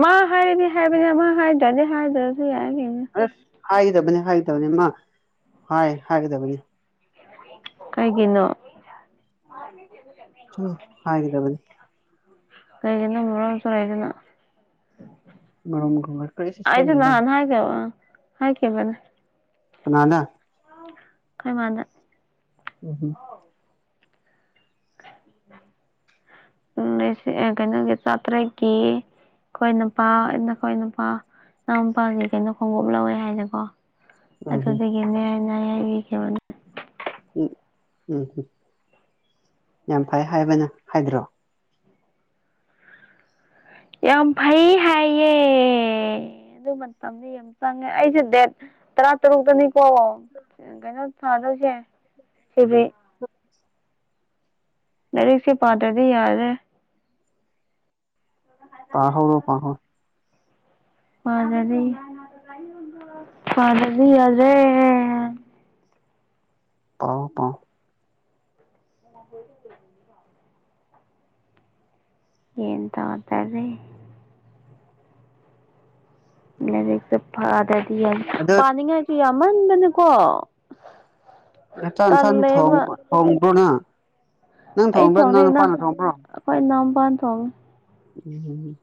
ꯃꯥ ꯍꯥꯏꯔꯗꯤ ꯍꯥꯏꯕꯅꯦ ꯃꯥ ꯍꯥꯏꯗꯔꯥꯗꯤ ꯍꯥꯏꯗꯔꯥꯁꯨ ꯌꯥꯏ ꯀꯩꯅꯣ ꯑꯁ ꯍꯥꯏꯒꯗꯕꯅꯤ ꯍꯥꯏꯒꯗꯕꯅꯤ ꯃꯥ ꯍꯥꯏ ꯍꯥꯏꯒꯗꯕꯅꯤ ꯀꯩꯒꯤꯅꯣ ꯁꯨꯝ ꯍꯥꯏꯒꯥꯗꯕꯅꯤ ꯀꯔꯤꯒꯤꯅꯣ ꯉꯔꯡ ꯇꯧꯔꯛ ꯏꯗꯨꯅ ꯃꯔꯣꯝ ꯀꯔꯤꯁꯨ ꯑꯩꯖꯨ ꯁꯣꯟꯗꯦꯗ ꯅꯍꯥꯟ ꯍꯥꯏꯈꯤꯕꯅꯤ ꯀꯅꯥꯅ ꯑꯩꯈꯣꯏ ꯃꯥꯅꯥ ꯎꯝ ꯍꯝ [unintelligible] ꯎ ꯀꯩꯅꯣꯒꯤ ꯆꯥꯇ꯭ꯔꯦꯠꯀꯤ ꯑꯩꯈꯣꯏ ꯅꯨꯄꯥ ꯅꯈꯣꯏ ꯅꯨꯄꯥ ꯅꯅꯥꯑꯣꯄꯥꯒꯤ ꯀꯩꯅꯣ ꯈꯣꯡꯎꯞ ꯂꯧꯋꯦ ꯍꯥꯏꯅꯦꯀꯣ ꯎꯝ ꯎꯝ [unintelligible] ꯎꯝ ꯎꯝ ꯎꯝ ꯌꯥꯝ ꯐꯩ ꯍꯥꯏꯕꯅ ꯍꯥꯏꯗ꯭ꯔꯣ ꯌꯥꯝ ꯐꯩ ꯍꯥꯏ ꯌꯦ ꯑꯗꯨ ꯃꯇꯝꯗꯤ ꯌꯥꯝ ꯆꯪꯉꯦ ꯑꯩꯁꯦ ꯗꯦꯠ ꯇꯔꯥ ꯇꯔꯨꯛꯇꯅꯤꯀꯣ ꯀꯩꯅꯣꯥꯗ [unintelligible] [unintelligible] ꯂꯥꯏꯔꯤꯛꯁꯦ ꯄꯗꯔ꯭ꯗꯤ ꯌꯥꯔꯦ ꯇꯥꯍꯧꯔꯣꯀꯣ [unintelligible] ꯎꯝ ꯄꯥꯎ ꯄꯥꯎ [unintelligible] ꯃꯦꯟ ꯇꯥꯗꯔꯦ ꯂꯥꯏꯔꯤꯛ ꯁꯦ ꯄꯗꯔꯗꯤ ꯑꯗꯣ ꯄꯥꯅꯤꯡꯉꯥꯏꯁꯦ ꯌꯥꯝꯃꯟꯕꯅꯀꯣ ꯑꯦꯟꯁꯡꯁꯟ ꯇꯜꯂꯦꯕ ꯊꯣꯡꯕ ꯊꯣꯡꯗꯨꯅꯥ ꯅꯪ ꯊꯣꯡꯕ꯭ꯔꯣ ꯅꯪ ꯅꯨꯄꯥꯅ ꯊꯣꯡꯕ꯭ꯔꯣ ꯄꯥꯟ ꯊꯣꯉꯦ꯫ ꯎꯝ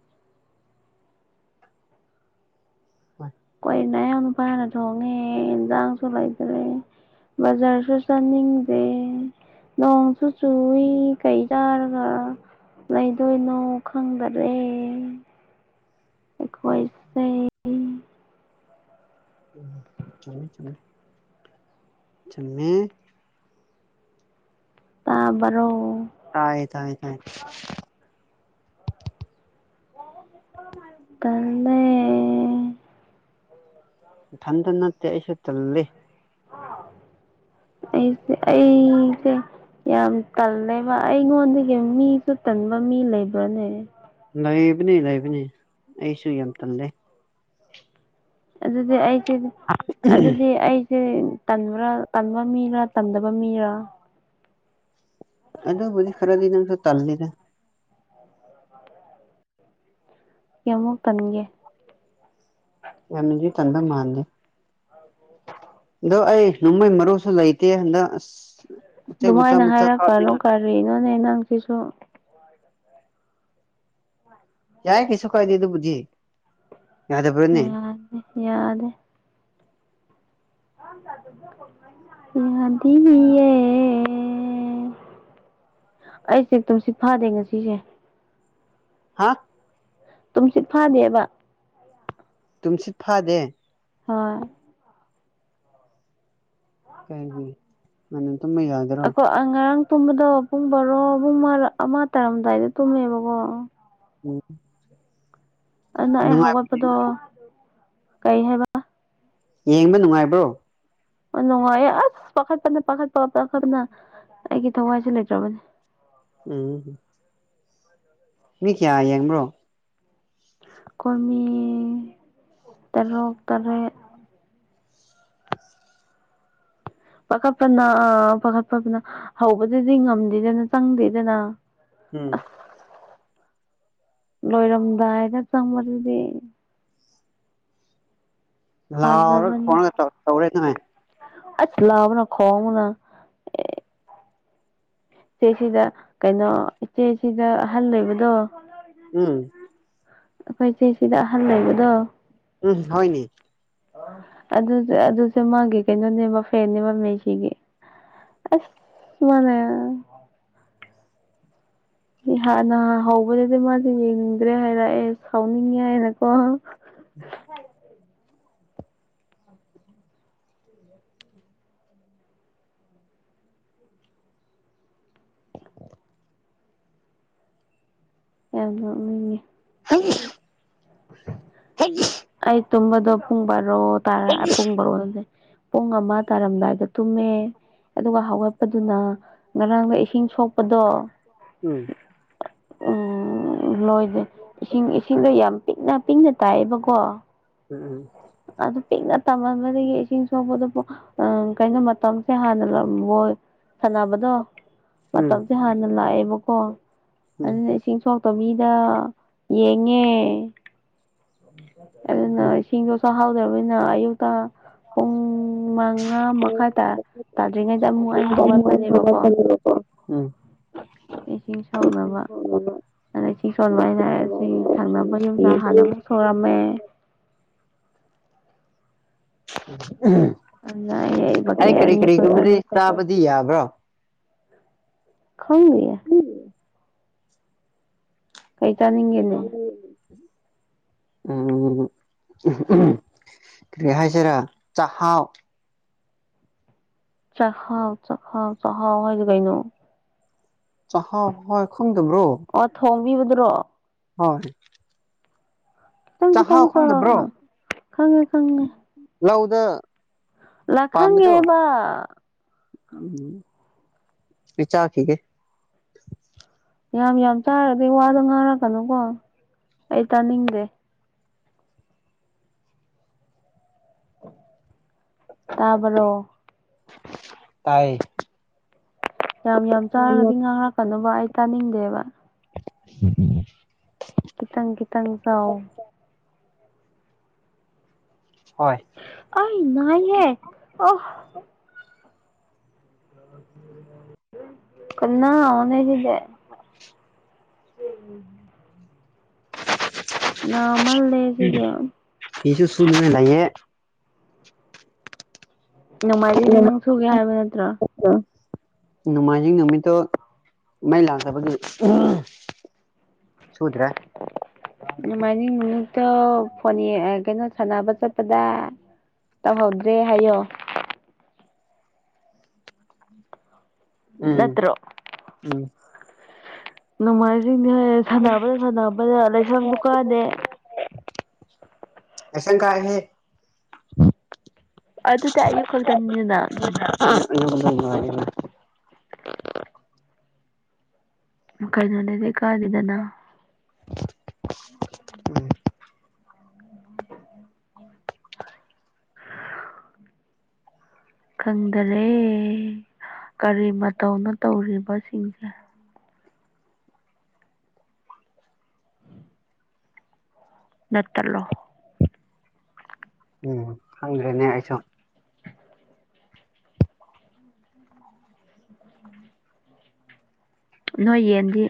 ꯍꯣꯏ ꯅꯥꯌꯥꯅꯨꯄꯥꯅꯥ ꯊꯣꯡꯉꯦ ꯑꯦꯟꯟꯖꯥꯡꯁꯨ ꯂꯩꯇꯔꯦ ꯒꯥꯖꯔ ꯁꯨ ꯆꯥꯅꯤꯡꯗꯦ ꯅꯣꯡꯁꯨ ꯆꯨꯏ ꯀꯩ ꯆꯥꯔꯒ ꯂꯩꯗꯣꯏꯅꯣ ꯈꯪꯗꯔꯦ ꯑꯦꯈꯣꯏꯁꯦ ꯎꯝ ꯆꯨꯝꯃꯦ ꯆꯨꯨꯝꯃꯦ ꯆꯨꯃꯦ ꯇꯥꯕꯔꯣ ꯇꯥꯏ ꯇꯥꯏ [unintelligible] ꯎꯝ ꯅꯥꯊꯟꯗ ꯅꯠꯇꯦ ꯑꯩꯁꯨ ꯇꯟꯂꯦ ꯑꯩꯁꯦ ꯑꯩꯁꯦ ꯌꯥꯝ ꯇꯜꯂꯦꯕ ꯑꯩꯉꯣꯟꯗꯒꯤ ꯃꯤꯁꯨ ꯇꯟꯕ ꯃꯤ ꯂꯩꯕ꯭ꯔꯅꯦ ꯂꯩꯕꯅꯦ ꯂꯩꯕꯅꯦ ꯑꯩꯁꯨ ꯌꯥꯝ ꯇꯜꯂꯦ ꯑꯗꯨꯗꯤ ꯑꯩꯁꯨ ꯑꯗꯨꯗꯤ ꯑꯩ ꯁꯤ ꯇꯟꯕ꯭ꯔꯥ ꯇꯟꯕ ꯃꯤꯔꯥ ꯇꯟꯗꯕ ꯃꯤꯔ ꯑꯗꯨꯕꯨꯗꯤ ꯈꯔꯗꯤ ꯑꯗꯨꯝꯁꯨ ꯇꯜꯂꯤꯗ ꯀꯌꯥꯝꯃꯨꯛ ꯇꯟꯒꯦ ꯌꯥꯝꯅꯗꯤ ꯇꯟꯕ ꯃꯥꯟꯗꯦ ꯑꯗꯣ ꯑꯩ ꯅꯣꯡꯃꯩ ꯃꯔꯨ ꯂꯩꯇꯦ ꯍꯟꯗꯛ ꯑꯁ ꯎꯆꯦꯛ ꯃꯆꯥ ꯑꯗꯨꯃꯥꯏꯅ ꯃꯆꯥ ꯍꯥꯏꯔꯛꯀꯅꯨ ꯀꯥꯞꯅꯤꯡꯉꯥꯏ ꯀꯔꯤꯅꯣꯅꯦ ꯅꯪꯁꯤꯁꯨ ꯌꯥꯏ ꯀꯩꯁꯨ ꯀꯥꯏꯗꯦ ꯑꯗꯨꯕꯨꯗꯤ ꯌꯥꯗꯕ꯭ꯔꯥꯅꯦ ꯌꯥꯗꯦ ꯌꯥꯗꯦ ꯌꯥꯗꯤ [unintelligible] ꯑꯩꯁꯨ ꯇꯨꯝꯁꯤꯠ ꯐꯥꯗꯦ ꯉꯁꯤꯁꯦ [unintelligible] ꯇꯨꯝꯁꯤꯠ ꯐꯥꯗꯦꯕ ꯇꯨꯝꯁꯤꯠ ꯐꯥꯗꯦ ꯍꯣꯏ ꯀꯩꯒꯤ ꯉꯟꯅ ꯇꯨꯝꯕ ꯌꯥꯗ꯭ꯔꯣ ꯑꯈꯣꯏ ꯑꯉꯥꯡ ꯇꯨꯝꯕꯗꯣ ꯄꯨꯡ ꯕꯥꯔꯣ ꯑꯍꯨꯝꯃ ꯑꯃ ꯇꯥꯔꯝꯗꯥꯏꯗ ꯇꯨꯝꯃꯦꯕꯀꯣ ꯎꯝ ꯑꯃ ꯅꯨꯡꯉꯥꯏ ꯍꯧꯒꯠꯄꯗꯣ ꯀꯩ ꯍꯥꯏꯕ ꯌꯦꯡꯕ ꯅꯨꯡꯉꯥꯏꯕ꯭ꯔꯣ ꯌꯥꯝ ꯅꯨꯡꯉꯥꯢꯌꯦ ꯑꯁ ꯄꯥꯈꯠ ꯄꯅ ꯄꯥꯈꯠꯄ ꯄꯈꯠꯅ ꯑꯩꯒꯤ ꯊꯋꯥꯢꯁꯨ ꯂꯩꯇ꯭ꯔꯕꯅꯤ ꯎꯝ ꯃꯤ ꯀꯌꯥ ꯌꯦꯡꯕ꯭ꯔꯣ ꯈꯣꯢꯃꯤ ꯇꯔꯨꯛ ꯇꯔꯦꯠ ꯄꯥꯈꯠꯄꯅ ꯄꯥꯈꯠꯄꯅ ꯍꯧꯕꯗꯗꯤ ꯉꯝꯗꯦꯗꯅ ꯆꯪꯗꯦꯗꯅ ꯎꯝ ꯑꯁ ꯂꯣꯏꯔꯝꯗꯥꯏꯗ ꯆꯪꯕꯗꯨꯗꯤ ꯂꯥꯎꯔ ꯐꯖꯕꯅꯤ ꯈꯣꯡꯉꯒ ꯇꯧꯔꯛ ꯇꯧꯔꯛꯏꯅꯦ ꯑꯁ ꯂꯥꯕꯅ ꯈꯣꯕꯅ ꯑꯦ ꯏꯆꯦꯁꯤꯗ ꯀꯩꯅꯣ ꯏꯆꯦꯁꯤꯗ ꯑꯍꯜ ꯂꯩꯕꯗꯣ ꯎꯝ ꯑꯩꯈꯣꯏ ꯏꯆꯦ ꯁꯤꯗ ꯑꯍꯟ ꯂꯩꯕꯗꯣ ꯎꯝ ꯍꯣꯢꯅꯦ ꯑꯗꯨꯁꯨ ꯑꯗꯨꯁꯨ ꯃꯥꯒꯤ ꯀꯩꯅꯣꯅꯦꯕ ꯐꯦꯟꯅꯦꯕ ꯃꯦꯁꯤꯒꯤ ꯑꯁ ꯃꯥꯅ [unintelligible] ꯍꯥꯟꯅ ꯍꯧꯕꯗꯗꯤ ꯃꯥꯗꯤ ꯌꯦꯡꯅꯤꯡꯗ꯭ꯔꯦ ꯍꯥꯏꯕ ꯑꯩ ꯁꯥꯎꯅꯤꯡꯉꯦ ꯍꯥꯏꯅꯀꯣ ꯎꯝ ꯌꯝ ꯅꯣꯛꯅꯤꯡꯉꯦ ꯍꯥꯏ ꯍꯥꯏ [unintelligible] ꯑꯩ ꯇꯨꯝꯕꯗꯣ ꯄꯨꯡ ꯕꯥꯔꯣ ꯇꯔꯥ ꯄꯨꯡ ꯕꯥꯔꯣꯅꯦ ꯄꯨꯡ ꯑꯃ ꯇꯥꯔꯝꯗꯥꯏꯗ ꯇꯨꯝꯃꯦ ꯑꯗꯨꯒ ꯍꯧꯒꯠꯄꯗꯨꯅ ꯉꯔꯥꯡꯗ ꯏꯁꯤꯡ ꯁꯣꯛꯄꯗꯣ ꯎꯝ ꯎꯝ ꯂꯣꯏꯗꯦ ꯏꯁꯤꯡ ꯏꯁꯤꯡꯗꯣ ꯌꯥꯝ ꯄꯤꯛꯅ ꯄꯤꯛꯅ ꯇꯥꯏꯌꯦꯕꯀꯣ ꯎꯝ ꯎꯝ ꯑꯗꯨ ꯄꯤꯛꯅ ꯇꯝꯃꯟꯕꯗꯒꯤ ꯏꯁꯤꯡ ꯁꯣꯛꯄꯗ ꯀꯩꯅꯣ ꯃꯇꯝꯁꯦ ꯍꯥꯟꯅ ꯕꯣꯜ ꯁꯥꯟꯅꯕꯗꯣ ꯎꯝ ꯃꯇꯝꯁꯦ ꯍꯥꯟꯅ ꯂꯥꯛꯑꯦꯕꯀꯣ ꯎꯝ ꯑꯗꯨꯅ ꯏꯁꯤꯡ ꯁꯣꯛ ꯄꯥ ꯃꯤꯗꯥ ꯌꯦꯡꯉꯦ ꯑꯗꯨꯅ ꯎꯝ ꯎꯝ ꯏꯁꯤꯡꯗꯣ ꯁꯣꯛꯍꯧꯗꯕꯅꯤꯅ ꯑꯌꯨꯛꯇ [unintelligible] ꯄꯨꯡ ꯃꯉꯥ ꯃꯈꯥꯏ ꯇꯥ ꯇꯥꯗ꯭ꯔꯤꯉꯩꯗ ꯑꯃꯨꯛ ꯑꯩ ꯍꯧꯒꯠꯄꯅꯦꯕꯀꯣ [unintelligible] ꯎꯝ ꯏꯁꯤꯡ ꯁꯣꯛꯅꯕ ꯑꯗꯩ ꯁꯤ ꯁꯣꯟꯕ ꯍꯥꯏꯁ ꯁꯤ ꯊꯪꯅꯕ ꯌꯨꯝꯗ ꯍꯥꯟꯅ ꯑꯃꯨꯛ ꯁꯨꯔꯝꯃꯦ [inaudible] ꯑꯗꯨꯅ ꯑꯩ ꯑꯩ ꯕꯛꯀꯦꯠ ꯀꯔꯤ ꯑꯅꯤ ꯀꯔꯤ ꯈꯛꯇ ꯂꯨꯔꯦ ꯆꯥꯕꯗꯤ ꯗꯤ ꯌꯥꯕ꯭ꯔꯣ ꯈꯪꯗꯤꯌꯦ ꯀꯩ ꯆꯥꯅꯤꯡꯒꯦꯅꯦ ꯎꯝ ꯎꯝꯎꯝ ꯀꯔꯤ ꯍꯥꯏꯁꯦꯔ ꯆꯥꯛꯍꯥꯎ ꯆꯍꯥꯎ ꯆꯈꯥꯎ ꯆꯍꯥꯎ ꯍꯥꯏꯗꯤ ꯀꯩꯅꯣ ꯆꯍꯥꯎ ꯍꯣꯢ ꯈꯪꯗꯕ꯭ꯔꯣ ꯃꯤꯕꯗꯨꯔꯣ ꯍꯣꯏ ꯈꯉꯦ ꯆꯥꯛꯍꯥꯎ ꯈꯪꯗꯕ꯭ꯔꯣ ꯈꯉꯦ ꯂꯧꯗ ꯂ ꯈꯥꯡꯉꯦꯕ ꯆꯥꯛ ꯆꯥꯈꯤꯀꯦ ꯌꯥꯝ ꯌꯥꯝ ꯆꯥꯔꯗꯤ ꯋꯥꯗꯣ ꯉꯥꯔꯛꯀꯅꯨꯀꯣ ꯑꯩ ꯇꯥꯅꯤꯡꯗꯦ ꯇꯥꯕ꯭ꯔꯣ ꯇꯥꯏ ꯌꯥꯝ ꯌꯥꯝ ꯆꯥꯔꯒꯗꯤ ꯉꯥꯡꯔꯛꯀꯅꯣꯕ ꯑꯩ ꯇꯥꯅꯤꯡꯗꯦꯕ ꯎꯝ ꯈꯤꯇꯥꯡ ꯈꯤꯇꯥꯡ ꯆꯥꯎ ꯍꯣꯏ ꯑ ꯅꯥꯏꯍꯦ ꯑ ꯀꯅꯥ ꯍꯧꯅꯦꯁꯤꯗꯦ [unintelligible] ꯅꯃꯜꯂꯦꯁꯤꯗꯤ ꯐꯤꯁꯨ ꯁꯨꯅꯤꯉꯥꯏ ꯂꯩꯌꯦ ꯅꯣꯡꯃꯥꯏꯖꯤꯡꯅꯦ ꯅꯪ ꯁꯨꯒꯦ ꯍꯥꯏꯕ ꯅꯠꯇ꯭ꯔꯣ ꯅꯣꯡꯃꯥꯏꯖꯤꯡ ꯅꯨꯃꯤꯠꯇꯣ ꯃꯩ ꯂꯥꯛꯇꯕꯒꯤ ꯁꯨꯗ꯭ꯔꯦ ꯑꯗꯨꯃꯥꯏꯅꯤꯡ ꯅꯨꯃꯤꯠꯇꯣ ꯐ ꯀꯩꯅꯣ ꯁꯥꯟꯅꯕ ꯆꯠꯄꯗ ꯇꯧꯍꯧꯗ꯭ꯔꯦ ꯍꯥꯏꯌꯣ ꯎꯝ ꯅꯠꯇ꯭ꯔꯣ ꯎꯝ ꯅꯣꯡꯃꯥꯏꯖꯤꯡꯅꯦ ꯍꯥꯏ ꯁꯥꯟꯅꯕꯗ ꯁꯥꯟꯅꯕꯗ ꯂꯥꯏꯁꯪ ꯐꯥꯑꯣ ꯀꯥꯗꯦ ꯂꯥꯏꯁꯪ ꯀꯥꯏꯍꯦ ꯑꯗꯨꯗꯤ ꯑꯌꯨꯛ ꯈꯛꯇꯅꯤꯗꯅ [unintelligible] ꯀꯩꯅꯣꯅꯦꯗꯤ ꯏꯀꯥꯏꯔꯤꯗꯅ ꯎꯝ ꯈꯪꯗꯔꯦ ꯀꯔꯤ ꯃꯇꯧꯅ ꯇꯧꯔꯤꯕꯁꯤꯡꯁꯦ ꯅꯠꯇꯂꯣ ꯎꯝ ꯈꯪꯗ꯭ꯔꯦꯅꯦ ꯑꯩꯁꯨ ꯅꯣꯏ ꯌꯦꯟꯗꯤ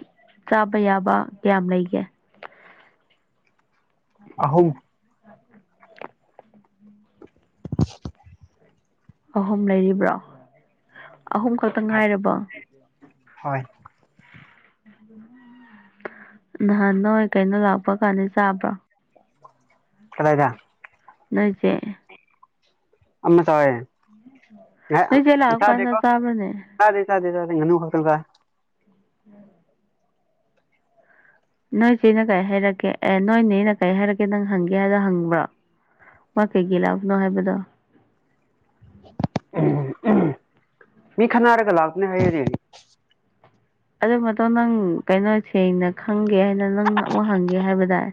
ꯆꯥꯕ ꯌꯥꯕ ꯀꯌꯥꯝ ꯂꯩꯒꯦ ꯑꯍꯨꯝ ꯑꯍꯨꯝ ꯂꯩꯔꯤꯕ꯭ꯔꯣ ꯑꯍꯨꯝ ꯈꯛꯇ ꯍꯣꯏ ꯉꯥꯏꯔꯕꯣ ꯍꯣꯏ ꯅꯍꯥꯟ ꯅꯣꯏ ꯀꯩꯅꯣ ꯂꯥꯛꯄ ꯀꯥꯟꯗ ꯆꯥꯕ꯭ꯔꯣ ꯈꯨꯔꯥꯏꯗ ꯅꯣꯏꯆꯦ ꯑꯃ ꯆꯥꯏꯌꯦ ꯅꯣꯏꯁꯦ ꯂꯥꯛꯄ ꯀꯥꯟꯗ ꯆꯥꯗꯦꯗ ꯆꯥꯕ꯭ꯔꯅꯦ ꯆꯥꯗꯦ ꯆꯥꯗꯦ ꯆꯥꯗꯦ ꯉꯥꯅꯨ ꯍꯥꯎꯇꯕ ꯎꯝ ꯅꯣꯏ ꯆꯦꯅ ꯀꯩ ꯍꯥꯏꯔꯛꯀꯦ ꯑꯦ ꯅꯣꯏ ꯅꯦꯅ ꯀꯩ ꯍꯥꯏꯔꯛꯀꯦ ꯅꯪ ꯍꯪꯒꯦ ꯍꯥꯏꯗꯣ ꯍꯪꯕ꯭ꯔꯥ ꯃꯥ ꯀꯩꯒꯤ ꯂꯥꯛꯄꯅꯣ ꯍꯥꯏꯕꯗꯣ ꯎꯝ ꯎꯝ ꯃꯤ ꯈꯠꯅꯥꯔꯒ ꯂꯥꯛꯄꯅꯦ ꯍꯥꯏꯌꯦꯅꯦ ꯑꯗꯨ ꯃꯊꯪ ꯅꯪ ꯀꯩꯅꯣ ꯁꯦꯡꯅ ꯈꯪꯒꯦ ꯍꯥꯏꯅ ꯅꯪ ꯑꯃꯨꯛ ꯍꯪꯒꯦ ꯍꯥꯏꯕ ꯗꯥꯏ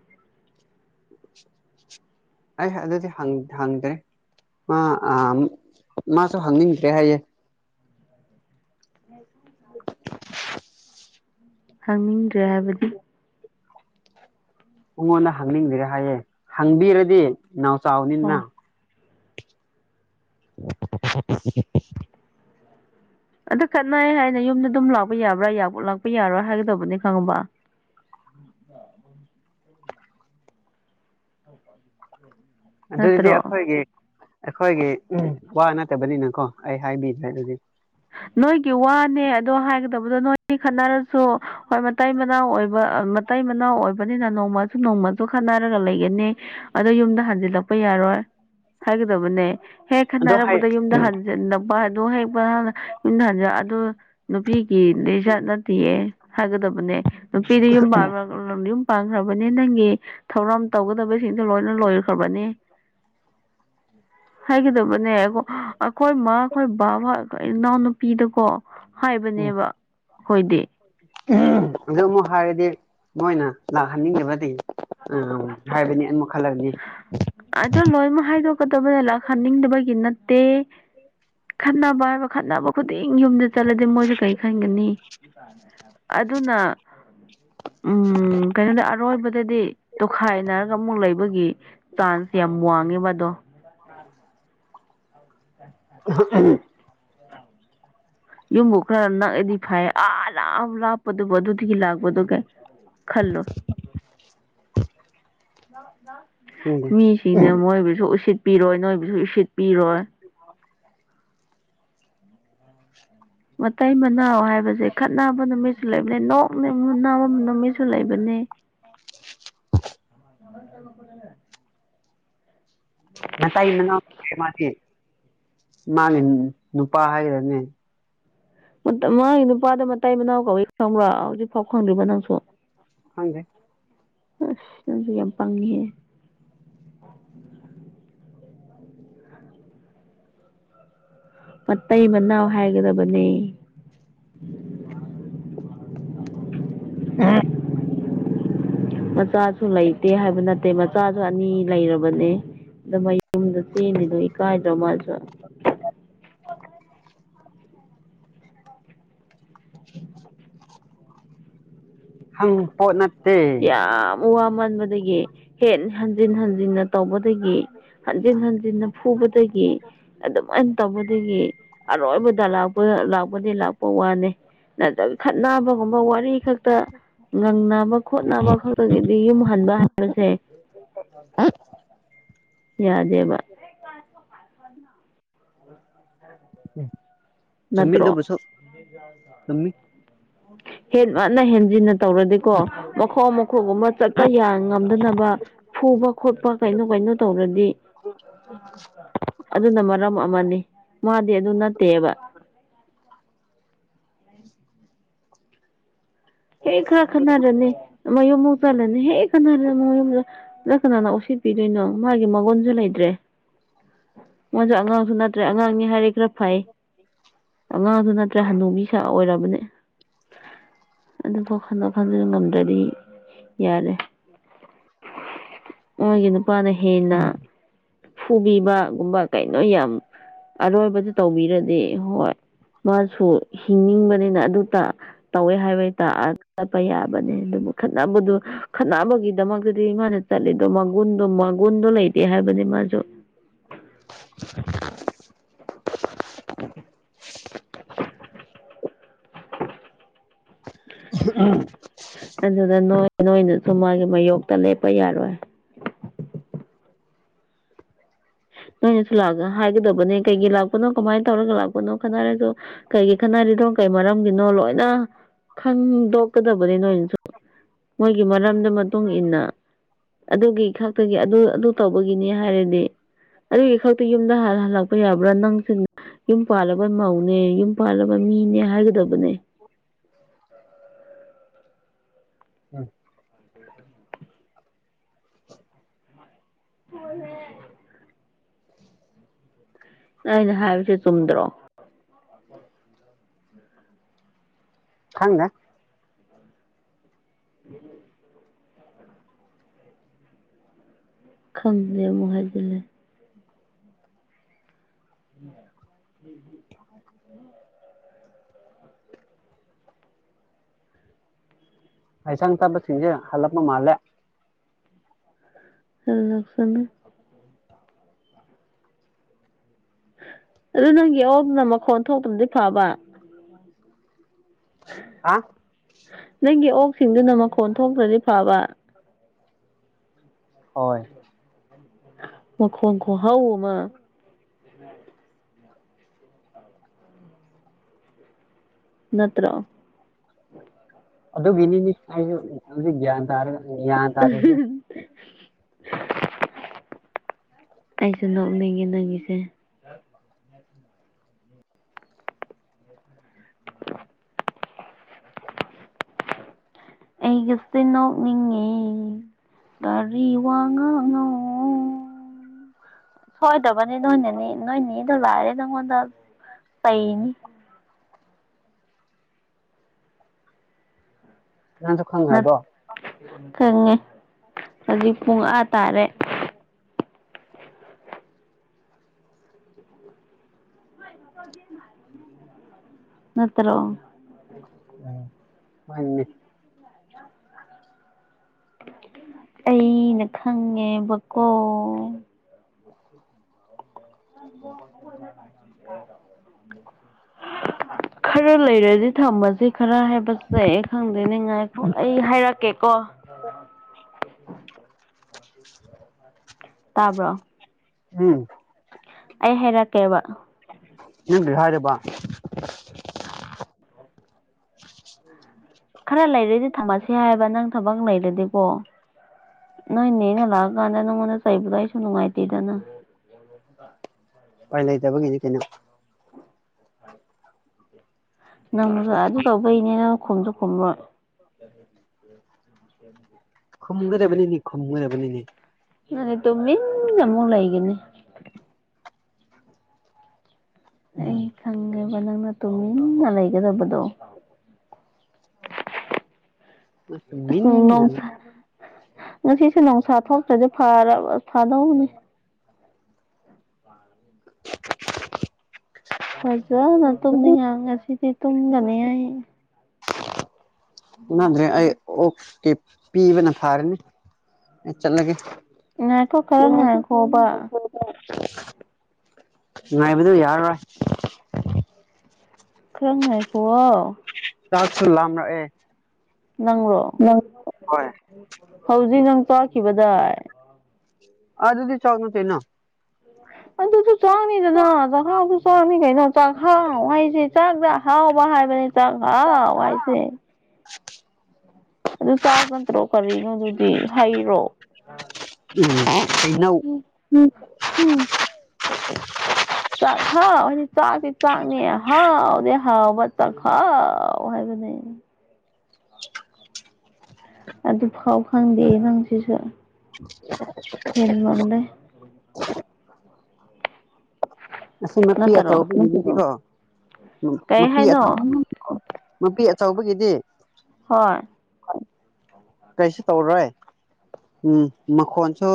ꯑꯩ ꯑꯗꯨꯗꯤ ꯍꯪ ꯍꯪꯗ꯭ꯔꯦ ꯑ ꯑꯃꯨꯛ ꯃꯥꯁꯨ ꯍꯪꯅꯤꯡꯗ꯭ꯔꯦ ꯍꯥꯏꯌꯦ ꯎꯝ [unintelligible] [inaudible] ꯍꯪꯅꯤꯡꯗ꯭ꯔꯦ ꯍꯥꯏꯕꯗꯤ ꯃꯉꯣꯟꯗ ꯍꯪꯅꯤꯡꯗꯔꯦ ꯍꯥꯏꯌꯦ ꯍꯪꯕꯤꯔꯗꯤ ꯅꯥꯎ ꯍꯣꯏ ꯆꯥꯎꯅꯤꯗꯅ [unintelligible] ꯑꯗꯨ ꯈꯠꯅꯩ ꯍꯥꯏꯅ ꯌꯨꯝꯗ ꯗꯨꯝ ꯂꯥꯛꯄ ꯌꯥꯕ꯭ꯔꯥ ꯂꯥꯛꯄ ꯌꯥꯔꯣꯏ ꯍꯥꯏꯒꯗꯕꯅꯤ ꯈꯪꯉꯕ [unintelligible] ꯑ [unintelligible] ꯑꯗꯨꯗꯤ ꯑꯩꯈꯣꯏꯒꯤ ꯑꯩꯈꯣꯏꯒꯤ ꯎꯝ ꯋꯥ ꯅꯠꯇꯕꯅꯤꯅꯀꯣ ꯑꯩ ꯍꯥꯏꯕꯤꯗ꯭ꯔꯦ ꯑꯗꯨꯗꯤ ꯅꯣꯏꯒꯤ ꯋꯥꯅꯦ ꯑꯗꯨ ꯍꯥꯏꯒꯗꯕꯗꯣ ꯅꯣꯏꯅꯤ ꯈꯠꯅꯔꯁꯨ ꯍꯣꯏ ꯃꯇꯩ ꯃꯅꯥꯎ ꯑꯣꯏꯕ ꯃꯇꯩ ꯃꯅꯥꯎ ꯑꯣꯏꯕꯅꯤꯅ ꯅꯣꯡꯃꯁꯨ ꯅꯣꯡꯃꯁꯨ ꯈꯠꯅꯔꯒ ꯂꯩꯒꯅꯤ ꯑꯗꯨ ꯌꯨꯝꯗ ꯍꯟꯖꯤꯜꯂꯛꯄ ꯌꯥꯔꯣꯏ ꯍꯥꯏꯒꯗꯕꯅꯦ ꯍꯦꯛ ꯑꯗꯣ ꯍꯥꯏ ꯈꯠꯟꯅꯔꯛꯄꯗ ꯌꯨꯝꯗ ꯍꯟꯖꯤꯟꯅꯕ ꯑꯗꯨ ꯍꯦꯛ ꯌꯨꯝꯗ ꯍꯟꯖꯤꯜ ꯑꯗꯨ ꯅꯨꯄꯤ ꯒꯤ ꯂꯤꯆꯠ ꯅꯠꯇꯤꯌꯦ ꯍꯥꯏꯒꯗꯕꯅꯦ ꯅꯨꯄꯤꯗꯤ ꯌꯨꯝ [unintelligible] ꯄꯥꯟꯈ꯭ꯔꯕꯅꯦ ꯅꯪ ꯒꯤ ꯊꯧꯔꯝ ꯇꯧꯒꯗꯕꯁꯤꯡꯗꯨ ꯂꯣꯏꯅ ꯂꯣꯏ ꯍꯂꯣ [inaudible] ꯍꯥꯏꯒꯗꯕꯅꯦ ꯑꯩꯈꯣꯏ ꯃꯥꯈꯣꯏ ꯕꯥꯕꯥ ꯏꯅꯥꯎꯅꯨꯄꯤꯗꯀꯣ ꯍꯥꯏꯕꯅꯦꯕ ꯑꯩꯈꯣꯏꯗꯤ ꯎꯝ ꯍꯧꯖꯤꯛ ꯑꯃꯨꯛ ꯍꯥꯏꯔꯗꯤ ꯃꯣꯏꯅ ꯂꯥꯛꯍꯟꯅꯤꯡꯗꯔꯥꯒꯗꯤ ꯑꯝ ꯍꯥꯏꯕꯅꯤ ꯑꯃꯨꯛ ꯈꯜꯂꯛꯀꯅꯤ ꯑꯗꯣ ꯂꯣꯏꯅꯃꯛ ꯍꯥꯏꯗꯣꯛꯀꯗꯕꯅꯦ ꯂꯥꯛꯍꯟꯅꯤꯡꯗꯕꯒꯤ ꯅꯠꯇꯦ ꯈꯠꯅꯕ ꯍꯥꯏꯕ ꯈꯠꯅꯕ ꯈꯨꯗꯤꯡ ꯌꯨꯝꯗ ꯆꯠꯂꯗꯤ ꯃꯣꯏꯁꯨ ꯀꯔꯤ ꯈꯟꯒꯅꯤ ꯑꯥꯗꯨꯅ ꯎꯝ ꯀꯩꯅꯣꯗ ꯑꯔꯣꯏꯕꯗ ꯗꯤ ꯇꯣꯈꯥꯏꯅꯔꯒ ꯑꯃꯨꯛ ꯂꯩꯕꯒꯤ ꯆꯥꯟꯖꯁꯦ ꯌꯥꯝ ꯋꯥꯡꯉꯦꯕꯗꯣ INAUDIBLE ꯌꯨꯝꯕꯨ ꯈꯔꯥ ꯅꯛꯑꯗꯤ ꯐꯩꯌꯦ ꯑꯥ ꯌꯥꯝ ꯂꯥꯞꯄꯗꯨꯕꯨ ꯑꯗꯨꯗꯒꯤ ꯂꯥꯛꯄꯗꯨ ꯀꯥꯏ ꯈꯜ ꯂꯣ ꯈꯪꯗꯦ ꯃꯤꯖꯤꯡꯅ ꯃꯣꯏꯕꯨꯖꯨ ꯎꯁꯤꯠ ꯄꯤꯔꯣꯏ ꯅꯣꯏꯕꯨꯖꯨ ꯎꯁꯤꯠꯄꯤꯔꯣꯏ ꯃꯇꯩ- ꯃꯅꯥꯎ ꯍꯥꯏꯕꯍꯦ ꯈꯠꯅꯕ ꯅꯨꯃꯤꯠ ꯂꯩꯕꯅꯦ ꯅꯣꯡꯃꯒꯤ ꯎꯟꯅꯕ ꯅꯨꯃꯤꯠ UNINTELLIGIBLE ꯉꯁꯥꯏ ꯅꯅꯥꯎꯄꯤ ꯑꯃꯗꯤ ꯃꯥꯒꯤ ꯅꯨꯄꯥ ꯍꯥꯏꯔꯅꯦ ꯃꯥꯒꯤ ꯅꯨꯄꯥꯗꯨ ꯃꯇꯩ- ꯃꯅꯥꯎ ꯀꯧꯏ ꯈꯪꯕ꯭ꯔꯥ ꯍꯧꯖꯤꯛꯐꯥꯎ ꯈꯪꯗ꯭ꯔꯤꯕ ꯅꯪꯁꯨ ꯈꯪꯗꯦ ꯑꯥꯁ ꯅꯪꯖꯦ ꯌꯥꯝ ꯄꯪꯉꯤꯍꯦ ꯃꯥꯇꯩ- ꯃꯅꯥꯎ ꯍꯥꯏꯒꯗꯕꯅꯦ INAUDIBLE ꯃꯆꯥꯁꯨ ꯂꯩꯇꯦ ꯍꯥꯏꯕ ꯅꯠꯇꯦ ꯃꯆꯥꯖꯨ ꯑꯅꯤ ꯂꯩꯔꯕꯅꯦ ꯗ ꯃꯌꯨꯝꯗ ꯆꯦꯟꯜꯂꯤꯗꯣ ꯏꯀꯥꯏꯗ꯭ꯔꯣ ꯃꯥꯖꯨ ꯍꯪ ꯕ ꯄꯣꯠ ꯅꯠ ꯌꯥꯝ ꯕꯋꯥ ꯃꯟꯕꯗꯒꯤ ꯍꯦ ꯍꯟꯖꯤꯟ-ꯍꯟꯖꯤꯟꯅ ꯇꯧꯕꯗꯒꯤ ꯍꯟꯖꯤꯟ-ꯍꯟꯖꯤꯟꯅ ꯐꯨꯕ ꯇꯒꯤ ꯑꯗꯨꯝꯍꯥꯏꯅ ꯇꯧꯕꯗꯒꯤ ꯑꯔꯣꯏꯕꯗ ꯂꯥꯛꯄ ꯂꯥꯛꯄꯗꯤ-ꯂꯥꯛꯄ ꯋꯥꯅꯤ ꯅꯠꯇ꯭ꯔꯒ ꯈꯠꯅꯕ ꯒꯨꯝꯕ ꯋꯥꯔꯤ ꯈꯛꯇ ꯉꯪꯅꯕ ꯍꯣꯠꯅꯕ ꯈꯛꯇꯒꯤꯗꯤ ꯌꯨꯝ ꯍꯟꯕ ꯍꯥꯏꯕꯖꯦ ꯌꯥꯗꯦꯕ ꯆꯨꯝꯃꯤ ꯅꯠꯇ꯭ꯔꯣ ꯑꯗꯨꯕꯨꯁꯨ ꯆꯨꯝꯃꯤ UNINTELLIGIBLE ꯇꯧꯔꯗꯤꯀꯣ ꯃꯈꯣꯡ- ꯃꯈꯨꯠꯀꯨꯝꯕ ꯆꯠꯄ ꯌꯥ ꯉꯝꯗꯅꯕ ꯐꯨꯕ-ꯈꯣꯠꯄ ꯀꯩꯅꯣ ꯀꯩꯅꯣ ꯇꯧ ꯅꯣ ꯇꯧꯔꯗꯤ ꯑꯗꯨꯅꯥ ꯃꯔꯝ ꯑꯃꯥꯅꯤ ꯃꯥꯗꯤ ꯑꯗꯨ ꯅꯠꯇꯦꯕ ꯍꯩ ꯈꯔꯥ ꯈꯠꯅꯔꯅꯤ ꯃꯌꯨꯝ ꯐꯥꯎ ꯆꯠꯂꯅꯤ ꯍꯦꯛ ꯈꯠꯅꯔꯅꯤ ꯃꯌꯨꯝꯗ ꯁꯤꯗꯥ ꯀꯅꯅꯥ ꯎꯁꯤꯠꯄꯤꯗꯣꯢꯅꯣ ꯀꯩꯅꯣ ꯃꯥꯒꯤ ꯃꯔꯣꯟꯖꯨ ꯂꯩꯇ꯭ꯔꯦ ꯃꯥꯖꯨ ꯑꯉꯥꯡꯖꯨ ꯅꯠꯇ꯭ꯔꯦ ꯑꯉꯥꯡꯅꯤ ꯍꯥꯏ ꯈꯔꯥ ꯐꯩ ꯑꯉꯥꯡꯖꯨ ꯅꯠꯇ꯭ꯔꯦ ꯍꯅꯨꯕꯤ ꯁꯥ ꯑꯣꯏꯔꯕꯅꯤ ꯑꯗꯨꯐꯥꯎ ꯈꯟꯗꯣꯛ-ꯈꯟꯖꯤꯟ ꯉꯝꯗ꯭ꯔꯗꯤ ꯌꯥꯔꯦ INAUDIBLE ꯃꯣꯏꯒꯤ ꯅꯨꯄꯥꯅ ꯍꯦꯟꯅ ꯐꯨꯕꯤꯕ ꯒꯨꯝꯕ ꯀꯩꯅꯣ ꯌꯥꯝ ꯑꯔꯣꯏꯕꯗꯥ ꯇꯧꯕꯤ ꯔꯗꯤ ꯍꯣꯏ ꯃꯥꯁꯨ ꯍꯤꯡꯅꯤꯡꯕꯅꯤꯅ ꯑꯗꯨꯇ ꯇꯧꯋꯦ ꯍꯥꯏꯕꯩ ꯇꯥ ꯌꯥꯕꯅꯦ ꯈꯠꯅꯕꯗꯣ ꯈꯠꯅꯕꯒꯤꯗꯃꯛꯇꯗꯤ ꯃꯥꯅ ꯆꯠꯂꯤꯗꯣ ꯃꯒꯨꯟꯗꯣ-ꯃꯒꯨꯟꯗꯣ ꯂꯩꯇꯦ ꯍꯥꯏꯕꯅꯤ ꯃꯥꯖꯨ INAUDIBLE INAUDIBLE ꯑꯗ ꯅꯣꯏ -ꯅꯣꯏꯅꯖꯨ ꯃꯥꯒꯤ ꯃꯌꯣꯛꯇ ꯂꯦꯞꯄ ꯌꯥꯔꯣꯏ [unintelligible] ꯅꯣꯏꯅꯁꯨ ꯂꯑ ꯍꯥꯏꯒꯗꯕꯅꯦ ꯀꯩꯒꯤ ꯂꯥꯛꯄꯅꯣ ꯀꯃꯥꯏꯅ ꯇꯧꯔꯒ ꯂꯥꯛꯄꯅꯣ ꯈꯟꯅꯔꯁꯨ ꯀꯩꯒꯤ ꯈꯠꯟꯅꯔꯤ ꯑꯗꯣ ꯀꯩ ꯃꯔꯝꯒꯤꯅꯣ ꯂꯣꯏꯅ ꯈꯪꯗꯣꯛꯀꯗꯕꯅꯤ ꯅꯣꯏꯅꯁꯨ ꯃꯣꯏꯒꯤ ꯃꯔꯝꯗ ꯃꯇꯨꯡ ꯃꯇꯨꯡꯏꯟꯅ ꯑꯗꯨꯒꯤ ꯈꯛꯇꯒꯤ ꯑꯗꯨ ꯑꯗꯨ ꯇꯧꯕ ꯒꯤꯅꯤ ꯍꯥꯏꯔꯗꯤ ꯑꯗꯨꯒꯤ ꯈꯛꯇ ꯌꯨꯝꯗ ꯍ ꯍꯜꯂꯛꯄ ꯌꯥꯕ꯭ꯔꯥ ꯅꯪ ꯌꯨꯝ ꯄꯥꯜꯂꯕ ꯃꯧꯅꯦ ꯌꯨꯝ ꯄꯥꯜꯂꯕ ꯃꯤꯅꯦ ꯍꯥꯏꯒꯗꯕꯅꯦ ꯎꯝ [unintelligible] ꯑꯩꯅ ꯍꯥꯏꯕꯁꯤ ꯆꯨꯝꯗ꯭ꯔꯣ ꯈꯪ ꯗꯦ [unintelligible] ꯈꯪꯗꯦ ꯃꯨ ꯍꯥꯏꯖꯜꯂꯦ [unintelligible] ꯑꯁꯪ ꯇꯞꯄ ꯁꯤꯡ ꯍꯜꯂꯄ ꯃꯥꯂꯦ ꯑꯗꯨꯅ ꯐꯥꯅꯤ ꯑꯗꯨ ꯅꯪꯒꯤ ꯑꯣꯛꯅ ꯃꯈꯣꯟ ꯊꯣꯛꯇꯔꯦꯗꯤ ꯐꯕ ꯍꯥ ꯅꯪꯒꯤ ꯑꯣꯛꯁꯤꯡꯗꯨꯅ ꯃꯈꯣꯟ ꯊꯣꯛꯇ꯭ꯔꯗꯤ ꯐꯕ ꯍꯣꯏ ꯃꯈꯣꯟ ꯈꯨꯍꯧ ꯑꯃ ꯅꯠꯇꯔꯣ ꯑꯗꯨꯒꯤꯅꯤꯅꯦ ꯑꯩꯖꯨ ꯍꯧꯖꯤꯛ ꯒ꯭ꯌꯥꯟ ꯇꯥꯔꯒ ꯒ꯭ꯌꯥꯟ ꯇꯥꯗ꯭ꯔꯤꯁꯦ [unintelligible] ꯑꯩꯁꯨ ꯅꯣꯛꯅꯤꯉꯦ ꯅꯪꯒꯤꯁꯦ ꯑꯩꯒꯁꯦ ꯅꯣꯛꯅꯤꯡꯉꯦ ꯀꯔꯤ ꯋꯥꯉꯪꯅꯣ ꯁꯣꯏꯗꯕꯅꯤ ꯅꯣꯏꯅꯅꯤ ꯅꯣꯏꯅꯤꯗꯣ ꯂꯥꯛꯔꯦ ꯅꯪꯉꯣꯟꯗ ꯑꯩꯅꯤ ꯅꯪꯁꯨꯣ ꯈꯪꯒꯔꯕꯣ ꯈꯪꯉꯦ ꯍꯧꯖꯤꯛ ꯄꯨꯡ ꯑꯥ ꯇꯥꯔꯦ ꯅꯠꯇ꯭ꯔꯣ ꯃꯥꯅꯦ ꯑꯩꯅ ꯈꯪꯉꯦꯕꯀꯣ [unintelligible] [unintelligible] ꯈꯔ ꯂꯩꯔꯗꯤ ꯊꯝꯃꯁ ꯈꯔ ꯍꯥꯏꯕꯁꯦ ꯑꯩ ꯈꯪꯗꯦꯅꯤ ꯉꯥꯏꯈꯣ ꯑꯩ ꯍꯥꯏꯔꯛꯀꯦꯀꯣ [unintelligible] ꯇꯥꯕ꯭ꯔꯣ ꯎꯝ ꯑꯩ ꯍꯥꯏꯔꯛ ꯀꯦꯕꯥ [unintelligible] ꯈꯔ ꯂꯩꯔꯗꯤ ꯊꯝꯃꯁꯤ ꯍꯥꯏꯕ ꯅꯪ ꯊꯕꯛ ꯂꯩꯔꯗꯤꯀꯦ ꯅꯣꯏ ꯅꯦꯅ ꯂꯥꯛꯑꯥꯀꯟꯗ ꯅꯉꯣꯟꯗꯥ ꯆꯩꯕꯗꯣ ꯑꯩꯖꯨ ꯅꯨꯉꯥꯏꯇꯦ ꯗꯅ ꯎꯄꯥꯏ ꯂꯩꯇꯕꯒꯤꯅꯤ ꯀꯩꯅꯣ ꯅꯪꯃꯁꯨ ꯑꯗꯨ ꯇꯧꯕꯩꯅꯦ ꯅꯪ ꯈꯨꯝꯁꯨ ꯈꯨꯝꯕꯣꯏ [unintelligible] ꯈꯨꯝꯒꯗꯕꯅꯤꯅꯦ ꯈꯨꯝꯒꯗꯕꯅꯤꯅꯦ ꯅꯪꯗꯤ ꯇꯨꯃꯤꯟꯅ ꯑꯃꯨꯛ ꯂꯩꯒꯤꯅꯤ ꯑꯩ ꯈꯪꯒꯦꯕ ꯅꯪꯅ ꯇꯨꯃꯤꯟꯅ ꯂꯩꯒꯗꯕꯗꯣ ꯑꯁ ꯃꯤꯟꯅ ꯅꯣꯡ ꯁꯥ ꯉꯁꯤ ꯅꯨꯡꯁꯥ ꯊꯣꯛꯇ꯭ꯔꯗꯤ ꯐꯔꯕ ꯐꯗꯧꯅꯤ ꯐꯖꯅ ꯇꯨꯝꯅꯤꯡꯉꯦ ꯉꯁꯤꯗꯤ ꯇꯨꯝꯒꯅꯤ ꯑꯩ ꯎꯅꯗ꯭ꯔꯦ ꯑꯩ ꯑꯣꯛꯁꯀꯤꯞ ꯄꯤꯕꯅ ꯐꯔꯅꯤ ꯑꯩ ꯆꯠꯂꯒꯦ ꯉꯥꯏꯈꯣ ꯈꯔ ꯉꯥꯏꯈꯣꯕ [unintelligible] ꯅꯨꯡꯉꯥꯏꯕꯗꯨ ꯌꯥꯔꯔꯣꯏ ꯈꯔ ꯉꯥꯏꯈꯨꯑꯣ ꯆꯥꯛ ꯁꯨ ꯂꯥꯝꯂꯃꯛ ꯑꯦ ꯅꯪꯂꯣ ꯍꯧꯖꯤꯛ ꯅꯪ ꯆꯥꯈꯤꯕꯗꯥꯏ ꯑꯗꯨꯗꯤ ꯆꯥꯛ ꯅꯠꯇꯦꯅ ꯁꯤꯁꯨ ꯆꯥꯡꯅꯤꯗꯅ ꯆꯥꯛꯍꯥꯎꯁꯨ ꯆꯥꯡꯅꯤ ꯀꯩꯅꯣ ꯆꯥꯛꯍꯥꯎ ꯍꯥꯏꯁꯦ ꯆꯥꯛꯇ ꯑꯍꯥꯎꯕ ꯍꯥꯏꯕꯅꯤ ꯍꯨꯝ ꯆꯥꯛꯍꯥꯎ ꯍꯥꯏꯁꯦ ꯑꯗꯨ ꯆꯥꯛ ꯅꯠꯇ꯭ꯔꯣ ꯀꯔꯤꯅꯣ ꯑꯗꯨꯗꯤ ꯍꯩꯔꯣ ꯎꯝ ꯍꯩꯅꯧ ꯎꯝ ꯆꯥꯛꯍꯥꯎ ꯍꯥꯏꯗꯤ ꯆꯥꯛꯇꯤ ꯆꯥꯛꯅꯤ ꯑꯍꯥꯎꯗꯤ ꯍꯥꯎꯕ ꯆꯥꯛꯍꯥꯎ ꯍꯥꯏꯕ [unintelligible] ꯑꯗꯨ ꯐꯥꯎ ꯈꯪꯗꯦ ꯅꯪꯁꯤꯁꯨ ꯍꯦꯟꯃꯜꯂꯦ [unintelligible] ꯅꯆꯟꯅꯨꯄꯤ ꯅꯠꯇꯔꯣ ꯑꯆꯧꯕꯤꯝꯗꯨꯒꯤꯔꯣ ꯎꯝ ꯀꯩ ꯅꯨꯄꯤ ꯍꯥꯏꯅꯣ [unintelligible] ꯅꯨꯄꯤ ꯑꯆꯧꯕꯒꯤꯗꯤ ꯍꯣꯏ ꯀꯩꯁꯨ ꯇꯧꯔꯣꯏ ꯎꯝ ꯃꯈꯣꯟꯁꯨ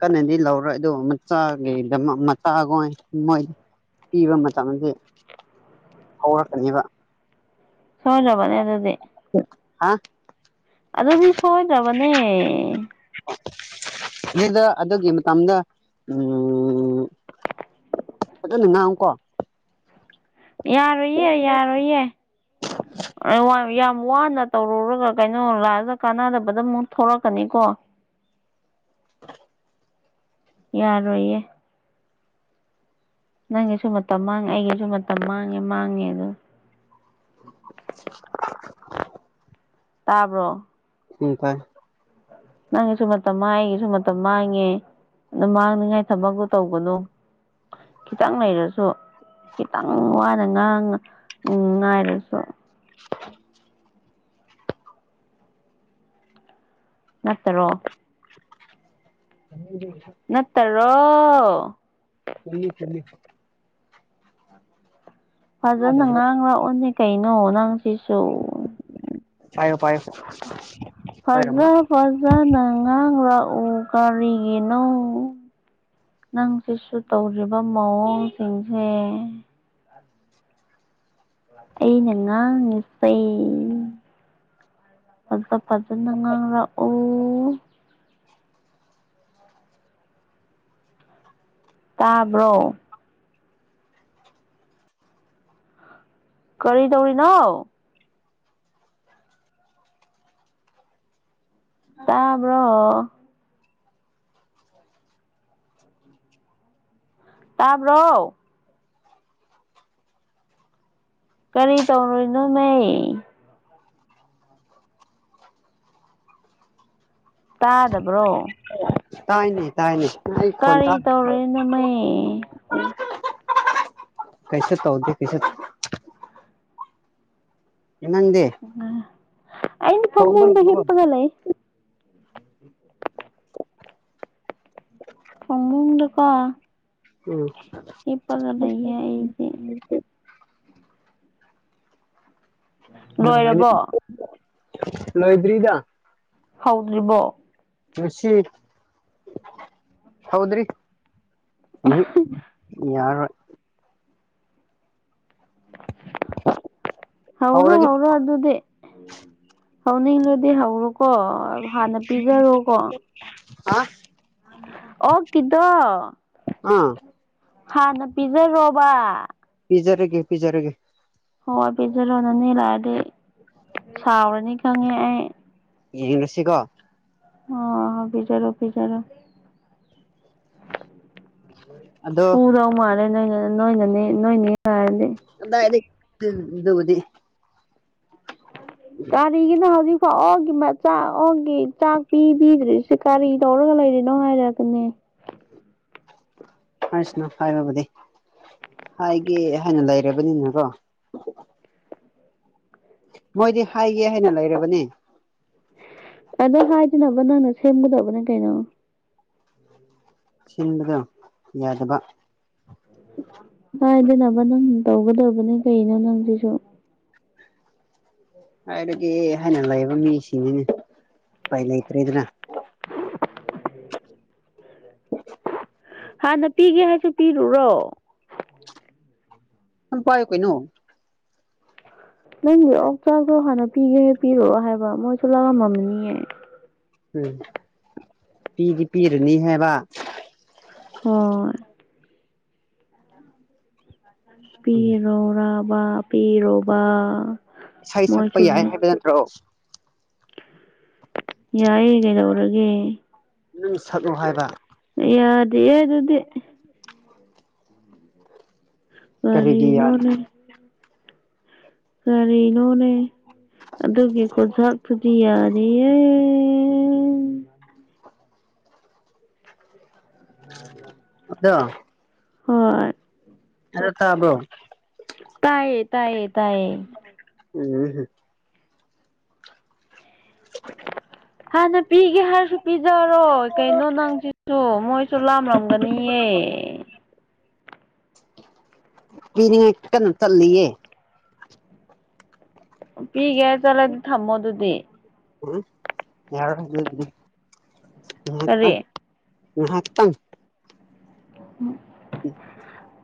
ꯀꯟꯅꯗꯤ ꯂꯧꯔꯣꯏ ꯑꯗꯨ ꯃꯆꯥꯒꯤꯗꯃꯛ ꯃꯆꯥꯒꯣꯏ ꯃꯣꯏ ꯄꯤꯕ ꯃꯇꯝꯗꯤ ꯍꯧꯔꯛꯀꯅꯤꯕ ꯁꯣꯏꯗ꯭ꯔꯕꯅꯦ ꯑꯗꯨꯗꯤ ꯍꯥ ꯑꯗꯨꯗꯤ ꯁꯣꯏꯗ꯭ꯔꯕꯅꯦ ꯑꯗꯨꯗ ꯑꯗꯨꯒꯤ ꯃꯇꯝꯗ ꯎꯝ ꯐꯖꯅ ꯉꯥꯡꯉꯨꯀꯣ ꯌꯥꯔꯣꯏꯌꯦ ꯌꯥꯔꯣꯏꯌꯦ [unintelligible] ꯋꯥꯅ ꯇꯧꯔꯨꯔꯒ ꯀꯩꯅꯣ ꯂꯥꯁꯇ ꯀꯥꯟꯅꯗꯕꯗ ꯑꯃꯨꯛ ꯊꯣꯛꯂꯛꯀꯅꯤꯀꯣ [inaudible] ꯌꯥꯔꯣꯏꯌꯦ ꯅꯪꯒꯤꯁꯨ ꯃꯇꯝ ꯃꯥꯡ ꯑꯩꯒꯤꯁꯨ ꯃꯇꯝ ꯃꯥꯡꯉꯦ ꯃꯥꯡꯉꯦ ꯑꯗꯨ [unintelligible] ꯇꯥꯕ꯭ꯔꯣ ꯎꯝ ꯇꯥꯏ ꯅꯪꯒꯤꯁꯨ ꯃꯇꯝ ꯃꯥꯡꯉꯦ ꯑꯩꯒꯤꯁꯨ ꯃꯇꯝ ꯃꯥꯡꯉꯦ ꯑꯗꯨ ꯃꯥꯡꯅꯤꯡꯉꯥꯏ ꯊꯕꯛꯇꯛꯇꯣ ꯇꯧꯒꯅꯣ ꯈꯤꯇꯪ ꯂꯩꯔꯁꯨ ꯈꯤꯇꯪ ꯋꯥꯅ ꯉꯥꯡ ꯎꯝ ꯉꯥꯏꯔꯁꯨ [unintelligible] ꯅꯠꯇꯔꯣ [unintelligible] ꯅꯠꯇꯔꯣ ꯆꯨꯝꯃꯤ ꯆꯨꯝꯃꯤ ꯐꯖꯅ ꯇꯥꯗꯕ꯭ꯔꯣ ꯉꯥꯡ ꯂꯛꯑꯣꯅꯦ ꯀꯩꯅꯣ ꯅꯪꯁꯤꯁꯨ ꯄꯥꯏꯌꯣ ꯄꯥꯏꯌꯣ ꯄꯥꯏꯔꯝꯃꯣ ꯐꯖ ꯐꯖꯅ ꯉꯥꯡꯂꯛ ꯎ ꯀꯔꯤꯒꯤꯅꯣ ꯅꯪ ꯁꯤꯁꯨ ꯇꯧꯔꯤꯕ ꯃꯑꯣꯡꯁꯤꯡꯁꯦ ꯑꯩꯅ ꯉꯥꯡꯉꯤꯁꯦ ꯐꯖꯅ ꯉꯥꯡꯂꯛꯎ ꯇꯥꯕ꯭ꯔꯣ ꯀꯔꯤ ꯇꯧꯔꯤꯅꯣ ꯇꯥꯕ꯭ꯔꯣ ꯇꯕ꯭ꯔꯣ ꯀꯔꯤ ꯇꯧꯔꯤꯅꯣꯅꯦ ꯇꯥꯗꯕ꯭ꯔꯣ ꯇꯥꯏꯅꯦ ꯇꯥꯏꯅꯦ ꯑꯩ ꯐꯣꯟ ꯀꯔꯤ ꯆꯥꯔꯖ ꯇꯧꯔꯤꯅꯣꯃꯦ ꯇꯧ ꯀꯩꯁꯨ ꯇꯧꯗꯦ ꯀꯩꯁꯨ ꯅꯪꯗꯤ ꯑ ꯑꯩ ꯊꯣꯡꯕ ꯐꯝꯃꯨꯡꯗ ꯂꯣꯏꯔꯕꯣ ꯍꯤꯞꯄꯒ ꯂꯩ ꯐꯝꯕꯨꯡꯗꯀꯣ ꯑꯩꯗꯤ ꯎꯝ ꯂꯣꯏꯔꯕꯣ [unintelligible] ꯂꯣꯏꯗ꯭ꯔꯤꯕ ꯍꯧꯗ꯭ꯔꯤꯕꯣ ꯃꯁꯤ ꯍꯧꯗ꯭ꯔꯤ ꯎꯝ ꯌꯥꯔꯣꯏ ꯍꯧꯔꯣ ꯍꯧꯔꯒꯦ ꯍꯧꯔꯣ ꯑꯗꯨꯗꯤ ꯍꯧꯅꯤꯡꯂꯗꯤ ꯍꯧꯔꯣꯀꯣ ꯍꯥꯟꯅ ꯄꯤꯖꯔꯣꯀꯣ ꯍꯥ ꯑꯣꯛꯀꯤꯗꯣ ꯑꯥ ꯍꯥꯟꯅ ꯄꯤꯖꯔꯣꯕ ꯄꯤꯖꯔꯒꯦ ꯄꯤꯖꯔꯒꯦ ꯍꯣꯏ ꯑꯗꯨꯗꯤ ꯂꯩꯔꯝꯃꯣ ꯂꯥꯛꯑꯒꯦ ꯑꯩ ꯁꯥꯎꯔꯅꯤ ꯈꯪꯉꯦ ꯑꯩ ꯌꯦꯡꯂꯁꯤꯀꯣ ꯍꯣꯏ ꯄꯤꯖꯥꯔꯣ ꯄꯤꯖꯔꯣ ꯑꯗꯣ ꯐꯨꯗꯧ ꯃꯥꯜꯂꯦ ꯅꯣꯏꯅꯦ ꯅꯣꯏꯅꯦꯅꯦ ꯅꯣꯏꯅꯦ ꯂꯥꯛꯑꯗꯤ ꯇꯤꯜ ꯗꯨꯕꯨꯗꯤ ꯀꯥꯔꯤꯒꯤꯅꯣ ꯍꯧꯖꯤꯛ ꯑꯣ ꯑꯩꯒꯤ ꯃꯆꯥꯥ ꯑꯩꯒꯤ ꯆꯥꯛ ꯄꯤꯕꯤꯗ꯭ꯔꯤꯁꯦ ꯀꯔꯤ ꯇꯧꯔꯒ ꯂꯩꯔꯤꯅꯣ ꯍꯥꯏꯕ ꯇꯃꯣ [inaudible] ꯄꯨꯂꯤꯁꯅ ꯐꯥꯔꯕꯗꯤ ꯍꯥꯏꯒꯦ ꯍꯥꯏꯅ ꯂꯩꯔꯕꯅꯤꯅ ꯀꯣ ꯃꯣꯏꯗꯤ ꯍꯥꯏꯒꯦ ꯍꯥꯏꯅ ꯂꯩꯔꯕꯅꯦ ꯑꯗꯣ ꯍꯥꯏꯗꯅꯕ ꯅꯪꯅ ꯁꯦꯝꯒꯗꯕꯅꯦ ꯀꯩꯅꯣ ꯁꯤꯟꯕꯗꯣ ꯌꯥꯗꯕ ꯍꯥꯏꯗꯅꯕ ꯅꯪ ꯇꯧꯒꯗꯕꯅꯦ ꯀꯩꯅꯣ ꯅꯪꯁꯤꯁꯨ ꯍꯥꯏꯔꯒꯦ ꯍꯥꯏꯅ ꯂꯩꯕ ꯃꯤꯁꯤꯡꯅꯤꯅꯦ ꯎꯄꯥꯏ ꯂꯩꯇ꯭ꯔꯦꯗꯅ ꯍꯥꯟꯅ ꯄꯤꯒꯦ ꯍꯥꯏꯁꯨ ꯄꯤꯔꯨꯔꯣ ꯑꯗꯨꯝ ꯄꯥꯏꯌꯨ ꯀꯩꯅꯣ ꯅꯪꯗꯤ ꯑꯣꯛꯆꯥꯛ ꯇꯣ ꯍꯥꯟꯅ ꯄꯤꯒꯦꯁꯨ ꯄꯤꯔꯨꯔꯣ ꯍꯥꯏꯕ ꯃꯣꯏꯁꯨ ꯂꯥꯝꯃꯝꯃꯅꯤꯌꯦ ꯎꯝ ꯄꯤꯗꯤ ꯄꯤꯔꯅꯤ ꯍꯥꯏꯕ ꯍꯣꯏ ꯄꯤꯔꯣꯔꯕꯥ ꯄꯤꯔꯣꯕꯥ ꯏꯁꯩ ꯁꯛꯄ ꯃꯣꯏꯁꯨ ꯌꯥꯏ ꯍꯥꯏꯕ ꯅꯠꯇ꯭ꯔꯣ ꯌꯥꯏꯌꯦ ꯀꯩꯗꯧꯔꯒꯦ ꯅꯪ ꯁꯛꯂꯣ ꯍꯥꯏꯕ ꯌꯥꯗꯦꯌꯦ ꯑꯗꯨꯗꯤ ꯀꯔꯤꯒꯤ ꯌꯥꯗꯦ ꯀꯔꯤꯅꯣꯅꯦ ꯎꯝ ꯀꯔꯤꯅꯣꯅꯦ ꯑꯗꯨꯒꯤ ꯀꯣꯟꯁꯥꯛꯇꯨꯗꯤ ꯌꯥꯗꯤꯌꯦ ꯑꯗꯣ ꯍꯣꯏ ꯍꯜꯂꯣ ꯇꯥꯕ꯭ꯔꯣ ꯇꯥꯏꯌꯦ ꯇꯥꯏꯌꯦ ꯇꯥꯏꯌꯦ ꯎꯝ [unintelligible] ꯍꯥꯟꯅ ꯄꯤꯒꯦ ꯍꯥꯏꯔꯁꯨ ꯄꯤꯖꯔꯣ ꯀꯩꯅꯣ ꯅꯪꯁꯤꯁꯨ ꯃꯣꯏꯁꯨ ꯂꯥꯝꯂꯝꯒꯅꯤꯌꯦ ꯑꯦ ꯄꯤꯅꯤꯉꯥꯏ ꯀꯟꯅꯥ ꯆꯠꯂꯤꯌꯦ ꯄꯤꯒꯦ ꯍꯥꯏꯔ ꯆꯠꯂꯗꯤ ꯊꯝꯃꯣ ꯑꯗꯨꯗꯤ ꯎ ꯌꯥꯔꯣꯏ ꯑꯗꯨꯗꯤ ꯉꯥꯏꯍꯥꯛꯇꯪ ꯀꯔꯤ ꯉꯥꯏꯍꯥꯛꯇꯪ ꯎꯝ ꯎꯝ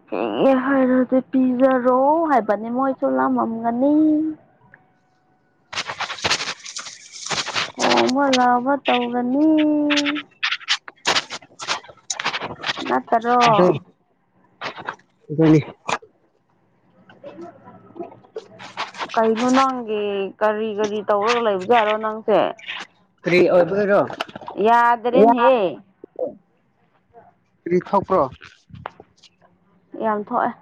ꯊꯦꯡꯉꯦ ꯍꯥꯏꯔꯗꯤ ꯄꯤꯖꯔꯣ ꯍꯥꯏꯕꯅꯤ ꯃꯣꯏꯁꯨ ꯂꯥꯃꯝꯒꯅꯤ ꯈꯣꯡꯕ ꯂꯥꯎꯕ ꯇꯧꯔꯅꯤ ꯅꯠꯇꯔꯣ ꯏꯕꯅꯤ [unintelligible] ꯀꯩꯅꯣ ꯅꯪꯒꯤ ꯀꯔꯤ ꯀꯔꯤ ꯇꯧꯔꯒ ꯂꯩꯕꯖꯥꯔꯣ ꯅꯪꯁꯦ ꯀꯔꯤ ꯑꯣꯏꯗꯣꯏꯔꯣ ꯌꯥꯗ꯭ꯔꯦꯅꯦꯍꯦ [unintelligible] ꯀꯔꯤ ꯊꯣꯛꯄ꯭ꯔꯣ ꯌꯥꯝ ꯊꯣꯛꯑꯦ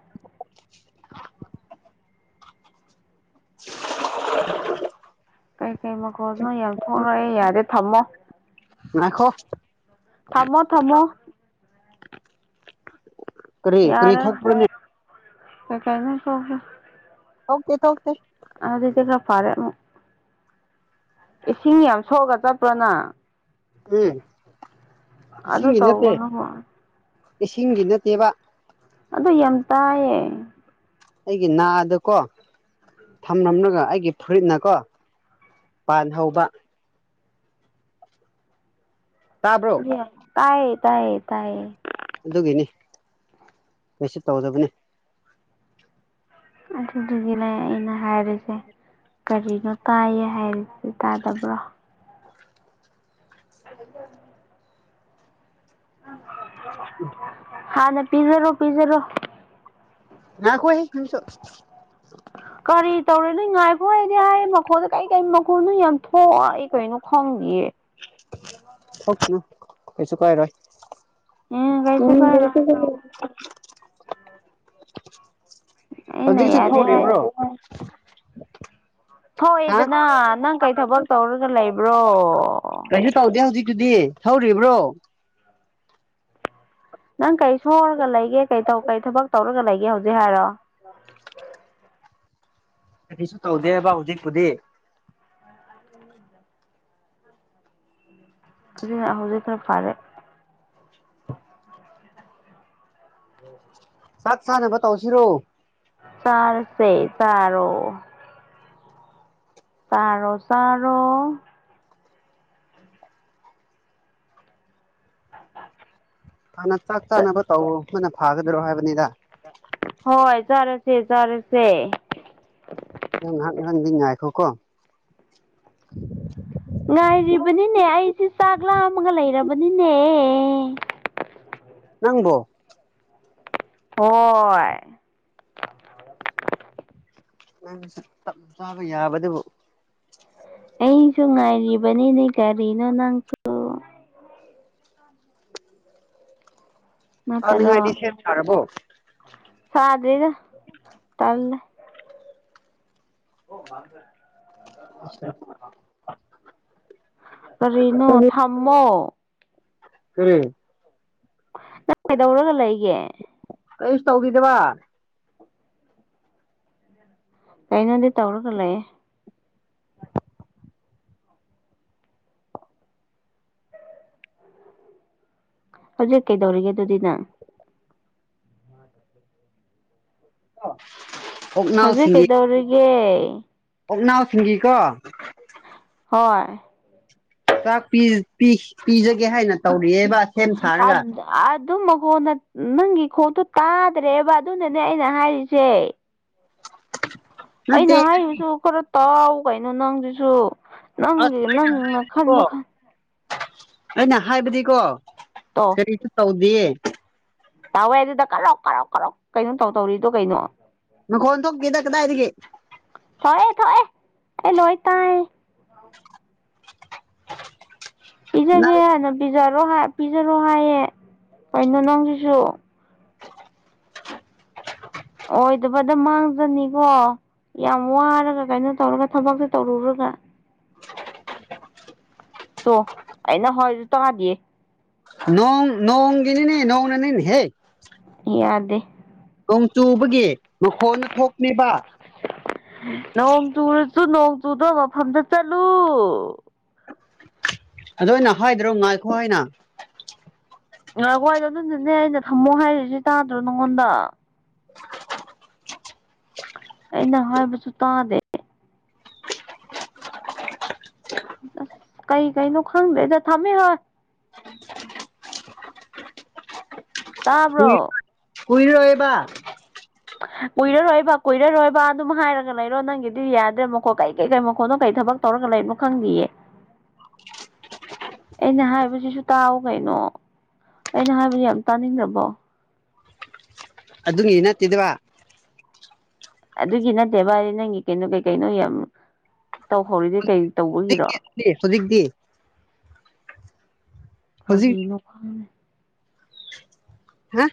[unintelligible] ꯀꯔꯤ ꯀꯔꯤ ꯃꯈꯣꯟꯅꯣ ꯌꯥꯝ ꯊꯣꯛꯔꯛꯑꯦ ꯌꯥꯗꯦ ꯊꯝꯃꯣ ꯉꯥꯏꯈꯣ ꯊꯝꯃꯣ ꯊꯃꯣ ꯀꯔꯤ ꯀꯔꯤ ꯌꯥꯔꯔꯣꯏ ꯊꯣꯛꯄ꯭ꯔꯥꯅꯦ ꯀꯩ ꯀꯩꯅꯣ ꯊꯣꯛꯑꯦ [unintelligible] ꯊꯣꯛꯇꯦ ꯊꯣꯛꯇꯦ ꯑꯗꯨꯗꯤꯗꯤ ꯐꯔꯦ ꯑꯃꯨꯛ [unintelligible] ꯏꯁꯤꯡ ꯌꯥꯝ ꯁꯣꯛꯔꯒ ꯆꯠꯄ꯭ꯔꯥ ꯅꯪ ꯎꯝ ꯑꯗꯨ ꯏꯁꯤꯡꯒꯤ ꯅꯠꯇꯦ ꯇꯧꯒꯅꯨꯀꯣ ꯏꯁꯤꯡꯒꯤ ꯅꯠꯇꯦꯕ ꯑꯗꯨ ꯌꯥꯝ ꯇꯥꯏꯌꯦ ꯑꯩꯒꯤ ꯅꯥꯗꯀꯣ ꯊꯝꯂꯝꯂꯒ ꯑꯩꯒꯤ ꯐꯨꯔꯤꯠꯅꯀꯣ ꯄꯥꯟ ꯍꯧꯕ ꯇꯥꯕ꯭ꯔꯣ ꯇꯥꯏ ꯇꯥꯏ ꯇꯥꯏ ꯑꯗꯨꯒꯤꯅꯤ ꯀꯣꯏꯁꯨ ꯇꯧꯗꯕꯅꯤ ꯑꯗꯨꯗꯤ ꯂꯩ ꯑꯩꯅ ꯍꯥꯏꯔꯤꯁꯦ ꯀꯔꯤꯅꯣ ꯇꯥꯏꯌꯦ ꯍꯥꯏꯔꯤꯁꯦ ꯁꯤ ꯇꯥꯗꯕ꯭ꯔꯣ ꯑꯗꯨ ꯍꯥꯟꯅꯦ ꯄꯤꯖꯔꯣ ꯄꯤꯖꯔꯣ ꯉꯥꯏ ꯈꯣ ꯍꯦ ꯅꯪꯁꯨ ꯍꯣꯏꯅꯦꯥꯏꯌꯦ ꯃꯈꯣꯗ ꯀꯥꯏ ꯇꯥꯏ ꯃꯈꯧꯅ ꯌꯥꯝ ꯊꯣꯛꯏ ꯀꯩꯅꯣ ꯈꯪꯗꯤꯌꯦ ꯊꯣꯛꯀꯅꯨ ꯀꯩꯁꯨ ꯀꯥꯏꯔꯣꯏ ꯎꯝ ꯀꯩꯁꯨ ꯀꯥꯏꯔꯣꯏ [unintelligible] ꯑꯩꯅ ꯍꯧꯖꯤꯛꯁꯨ ꯌꯥꯗꯦ ꯍꯥꯏ ꯊꯣꯛꯂꯤꯕ꯭ꯔꯣ ꯍꯥ ꯊꯣꯛꯑꯦꯗꯅ ꯅꯪ ꯀꯩ ꯊꯕꯛ ꯇꯧꯔꯒ ꯂꯩꯕ꯭ꯔꯣ ꯀꯩꯁꯨ ꯇꯥꯎꯗꯦ ꯍꯧꯖꯤꯛ ꯑꯗꯨꯗꯤ ꯊꯩꯔꯤꯕ꯭ꯔꯣ ꯅꯪ ꯀꯔꯤ ꯁꯣꯔꯒ ꯂꯩꯒꯦ ꯀꯩ ꯀꯩ ꯊꯕꯛ ꯇꯧꯔꯒ ꯂꯩꯒꯦ ꯍꯧꯖꯤꯛ ꯍꯥꯏꯔꯣ ꯑꯥ ꯀꯩꯁꯨ ꯇꯧꯗꯦꯕ ꯍꯧꯖꯤꯛꯄꯨꯗꯤ ꯍꯧꯖꯤꯛ ꯍꯧꯖꯤꯛ ꯈꯔ ꯐꯔꯦ ꯎꯝ ꯁꯥꯠ ꯁꯥꯅꯕ ꯇꯧꯁꯤꯔꯣ ꯆꯔꯁꯦ ꯆꯔꯣ ꯇꯥꯔꯣ ꯆꯥꯔꯣ ꯍꯥꯟꯅ ꯆꯥꯛ ꯆꯥꯅꯕ ꯇꯧ ꯑꯃꯅ ꯐꯥꯒꯗꯔꯣ ꯍꯥꯏꯕꯅꯤꯗ ꯍꯣꯏ ꯆꯔꯁꯦ ꯆꯔꯁꯦ ꯅꯪ ꯉꯍꯥꯛ ꯉꯥꯡꯗꯤ ꯉꯥꯏꯈꯣꯀꯣ ꯉꯥꯏꯔꯤꯕꯅꯤꯅꯦ ꯑꯩꯁꯦ ꯆꯥꯛ ꯂꯥꯃꯒ ꯂꯩꯔꯕꯅꯤꯅꯦ ꯅꯪꯕꯣ ꯍꯣꯏ ꯅꯪꯁꯨ ꯇꯞ ꯆꯥꯕ ꯌꯥꯕꯗꯨꯕꯨ ꯑꯩꯁꯨ ꯉꯥꯏꯔꯤꯕ ꯅꯤ ꯅꯦ ꯀꯔꯤꯅꯣ ꯅꯥꯪꯁꯨ ꯆꯅꯤꯡꯉꯥꯏ ꯗꯤ ꯅꯠꯇꯔꯣ ꯁꯦꯝ ꯁꯔꯔꯕꯣ ꯁꯥꯗꯔꯤꯗ [unintelligible] ꯇꯜꯂꯦ ꯑꯣ [unintelligible] ꯀꯔꯤꯅꯨ ꯊꯝꯃꯣ ꯀꯔꯤ ꯅꯪ ꯀꯩꯗꯧꯔꯒ ꯂꯩꯒꯦ ꯀꯩꯁꯨ ꯇꯧꯈꯤꯗꯕ ꯀꯩꯅꯣꯗꯤ ꯇꯧꯔꯒ ꯂꯩꯌꯦ ꯍꯧꯖꯤꯛ ꯀꯩꯗꯧꯔꯤꯒꯦ ꯑꯗꯨꯗꯤ ꯅꯪ [unintelligible] ꯍꯧꯖꯤꯛ ꯀꯩꯗꯧꯔꯤꯒꯦ ꯑꯣꯛꯅꯥꯎ ꯁꯤꯡꯒꯤꯀꯣ ꯍꯣꯏ ꯆꯥꯛ ꯄꯤ ꯄꯤ ꯄꯤꯖꯒꯦ ꯍꯥꯏꯅ ꯇꯧꯔꯤꯌꯦꯕ ꯑꯥꯗ ꯑꯥꯗ ꯇꯨꯝꯃꯕꯣ ꯅꯪ ꯅꯪꯒꯤ ꯈꯣꯟꯇꯨ ꯇꯥꯗ꯭ꯔꯦꯕ ꯑꯗꯨꯅꯅꯦ ꯑꯩꯅ ꯍꯥꯏꯔꯤꯁꯦ [unintelligible] ꯅꯠꯇꯦ ꯑꯩꯅ ꯍꯥꯏꯔꯤꯕꯁꯨ ꯈꯔ ꯇꯥꯎ ꯀꯩꯅꯣ ꯅꯪꯗꯨꯁꯨ ꯅꯪꯒꯤ ꯅꯪꯅ ꯑꯁꯀꯣ ꯈꯟꯕ ꯈꯟ ꯑꯩꯅ ꯍꯥꯏꯕꯗꯤꯀꯣ ꯀꯔꯤꯁꯨ ꯇꯧꯗꯤꯌꯦ ꯇꯥꯎꯋꯦ ꯑꯗꯨꯗ ꯀꯂꯣꯛ ꯀꯔꯣꯛ ꯀꯥꯔꯣꯛ ꯀꯩꯅꯣ ꯇꯧ ꯇꯧꯔꯤꯗꯣ ꯀꯩꯅꯣ ꯃꯈꯣꯟ ꯊꯣꯛꯇꯦꯗ ꯀꯗꯥꯏꯗꯒꯤ ꯊꯣꯛꯑꯦ ꯊꯣꯛꯑꯦ ꯑꯩ ꯂꯣꯏ ꯇꯥꯏꯌꯦ ꯄꯤꯖꯒꯦ ꯅꯪ ꯍꯥꯏꯅ ꯄꯤꯖꯔꯣ ꯍꯥ ꯄꯤꯖꯔꯣ ꯍꯥꯏꯌꯦ ꯀꯩꯅꯣ ꯅꯪꯁꯤꯁꯨ ꯑꯣꯏꯗꯕꯗ ꯃꯥꯡꯖꯅꯤꯀꯣ ꯌꯥꯝ ꯋꯥꯔꯒ ꯀꯩꯅꯣ ꯇꯧꯔꯒ ꯊꯕꯛꯇꯣ ꯇꯧꯔꯨꯔꯒ ꯇꯣ ꯑꯩꯅ ꯍꯣꯏꯁꯨ ꯇꯥꯗꯦ ꯅꯣꯡ ꯅꯣꯡꯒꯤꯅꯤꯅꯦ ꯅꯣꯡꯅꯅꯤ ꯅꯦꯍꯦ ꯌꯥꯗꯦ ꯅꯣꯡ ꯆꯨꯕꯒꯤ ꯃꯈꯣꯟꯅ ꯊꯣꯛꯄꯅꯦꯕ ꯅꯣꯡ ꯆꯨꯔꯁꯨ ꯅꯣꯡ ꯆꯨꯗ ꯃꯐꯝꯗ ꯆꯠꯂꯨ ꯑꯗꯣ ꯑꯩꯅ ꯍꯥꯏꯗ꯭ꯔꯣ ꯉꯥꯏꯈꯣ ꯍꯥꯏꯅ ꯉꯥꯏꯈꯣ ꯍꯥꯏꯗꯣ ꯑꯗꯨꯅꯅꯦ ꯑꯩꯅ ꯊꯝꯃꯣ ꯍꯥꯏꯔꯤꯁꯦ ꯇꯥꯗ꯭ꯔꯣ ꯅꯪꯉꯣꯟꯗ ꯑꯩꯅ ꯍꯥꯏꯕꯁꯨ ꯇꯥꯗꯦ ꯑ꯭ꯁ ꯀꯩ ꯀꯩꯅ ꯈꯪꯗꯦꯗ ꯊꯝꯃꯦ ꯍꯥ ꯇꯥꯕ꯭ꯔꯣ ꯀꯨꯏꯔꯣꯏꯌꯦꯕ ꯀꯨꯏꯔꯔꯣꯏꯕ ꯀꯨꯏꯔꯔꯣꯏꯕ ꯑꯗꯨꯝ ꯍꯥꯏꯔꯒ ꯂꯩꯔꯣ ꯅꯪꯒꯤꯗꯤ ꯌꯥꯗ꯭ꯔꯦ ꯃꯈꯣ ꯀꯩ ꯀꯩ ꯀꯩ ꯃꯈꯣꯅꯣ ꯀꯩ ꯊꯕꯛ ꯇꯧꯔꯒ ꯂꯩꯕꯅꯣ ꯈꯪꯗꯤꯌꯦ [unintelligible] ꯑꯩꯅ ꯍꯥꯏꯕꯁꯤꯁꯨ ꯇꯥꯎ ꯀꯩꯅꯣ ꯑꯩꯅ ꯍꯥꯏꯕ ꯌꯥꯝ ꯇꯥꯅꯤꯡꯗ꯭ꯔꯕꯣ ꯑꯗꯨꯒꯤ ꯅꯠꯇꯦꯗꯋꯥ ꯑꯗꯨꯒꯤ ꯅꯠꯇꯦꯕꯗꯤ ꯅꯪꯒꯤ ꯀꯩꯅꯣ ꯀꯩ ꯀꯩꯅꯣ ꯌꯥꯝ ꯇꯧꯍꯧꯔꯤꯗꯤ ꯀꯩ ꯇꯧ [unintelligible] ꯍꯧꯖꯤꯛꯇꯤ ꯍꯧꯖꯤꯛ [unintelligible] ꯍꯥ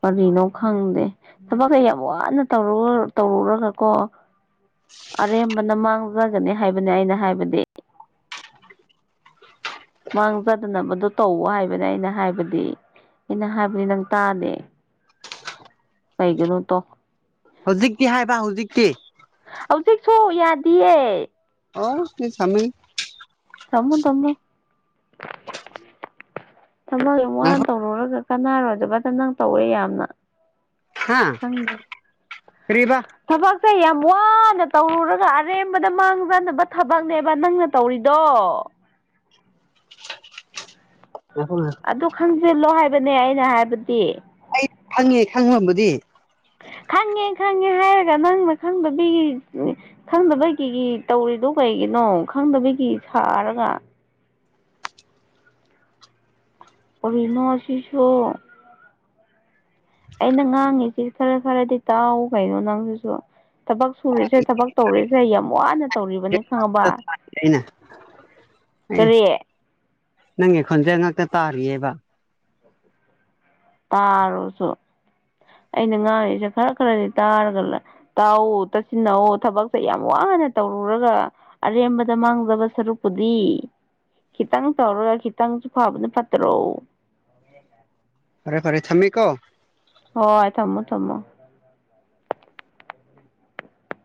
ꯀꯔꯤꯅꯣ ꯈꯪꯗꯦ ꯊꯕꯛꯀ ꯌꯥꯝ ꯋꯥꯅ ꯇꯧꯔꯨꯔ ꯇꯧꯔꯒ ꯀꯣ ꯑꯔꯦꯝꯕꯅ ꯃꯥꯡꯖꯒꯅꯤ ꯍꯥꯏꯕꯅꯦ ꯑꯩꯅ ꯍꯥꯏꯕꯗꯤ ꯃꯥꯡꯖꯗꯅꯕꯗꯣ ꯇꯧ ꯍꯥꯏꯕꯅꯦ ꯑꯩꯅ ꯍꯥꯏꯕꯗꯤ ꯑꯩꯅ ꯍꯥꯏꯕꯗꯤ ꯅꯪ ꯇꯥꯗꯦ ꯀꯩꯒꯤꯅꯣ ꯇꯣ ꯍꯧꯖꯤꯛꯇꯤ ꯍꯥꯏꯕ ꯍꯧꯖꯤꯛꯇꯤ ꯍꯧꯖꯤꯛꯁꯨ ꯌꯥꯗꯤꯌꯦ [unintelligible] ꯊꯝꯃꯣ ꯊꯝꯃꯣ ꯊꯝꯃꯣ ꯌꯥꯝ ꯋꯥꯅ ꯉꯥꯏꯈꯣ ꯇꯧꯔꯣꯔꯒ ꯀꯥꯅꯥꯔꯣꯏꯗꯕꯗ ꯅꯪ ꯇꯧꯋꯦ ꯌꯥꯝꯅ ꯍꯥ ꯈꯪꯗꯦ ꯀꯔꯤꯕ ꯊꯕꯛꯁꯦ ꯌꯥꯝ ꯋꯥꯅ ꯅ ꯇꯧꯔꯨꯔꯒ ꯑꯔꯦꯝꯕꯗ ꯃꯥꯡꯖꯅꯕ ꯊꯕꯛꯅꯦꯕꯥ ꯅꯪꯅ ꯇꯧꯔꯤꯗꯣ ꯉꯥꯏꯈꯣ ꯉꯥꯏꯈꯣ ꯑꯗꯨ ꯈꯪꯖꯤꯜꯂꯣ ꯍꯥꯏꯕꯅꯦ ꯑꯩꯅ ꯍꯥꯏꯕꯗꯤ ꯑꯩ ꯈꯪꯉꯦ ꯈꯪꯉꯝꯕꯗꯤ ꯈꯪꯉꯦ ꯈꯪꯉꯦ ꯍꯥꯏꯔꯒ ꯅꯪꯅ ꯈꯪꯗꯕꯤꯒꯤ [unintelligible] ꯈꯪꯗꯕꯒꯤꯒꯤ ꯇꯧꯔꯤꯗꯣ ꯀꯩꯒꯤ ꯀꯩꯅꯣ ꯈꯪꯗꯕꯒꯤ ꯁꯥꯔꯒ ꯀꯔꯤꯅꯣ ꯁꯤꯁꯨ ꯑꯩꯅ ꯉꯥꯡꯉꯤꯁꯤ ꯈꯔ ꯈꯔꯗꯤ ꯇꯥꯎ ꯀꯩꯅꯣ ꯅꯪꯁꯤꯁꯨ ꯊꯕꯛ ꯁꯨꯔꯤꯁꯦ ꯊꯕꯛ ꯇꯧꯔꯤꯁꯦ ꯌꯥꯝ ꯋꯥꯅ ꯇꯧꯔꯤꯕꯅꯦ ꯈꯪꯉꯕꯥ ꯑꯩꯅ ꯑꯦ ꯀꯔꯤ ꯅꯪꯒꯤ ꯈꯣꯟꯖꯦꯟ ꯉꯥꯛꯇ ꯇꯥꯔꯤꯕꯌꯦꯕꯥ ꯇꯥꯔꯣꯁꯣ ꯑꯩꯅ ꯉꯥꯡꯔꯤꯁꯦ ꯈꯔ ꯈꯔꯗꯤ ꯇꯥꯔꯒ ꯂ ꯇꯥꯋꯣ ꯇꯥꯁꯤꯟꯅꯋꯣ ꯊꯕꯛꯁꯦ ꯌꯥꯝ ꯋꯥ ꯅ ꯇꯧꯔꯨꯔꯒ ꯑꯔꯦꯝꯕꯗ ꯃꯥꯡꯖꯕ ꯁꯔꯨꯛꯄꯨꯗꯤ ꯈꯤꯇꯪ ꯇꯧꯔꯒ ꯈꯤꯇꯪꯁꯨ ꯐꯕꯅ ꯐꯠꯇꯔꯣ [unintelligible] ꯐꯔꯦ ꯊꯝꯃꯦ ꯀꯣ ꯍꯣꯏ ꯊꯝꯃꯣ ꯊꯝꯃꯣ [unintelligible]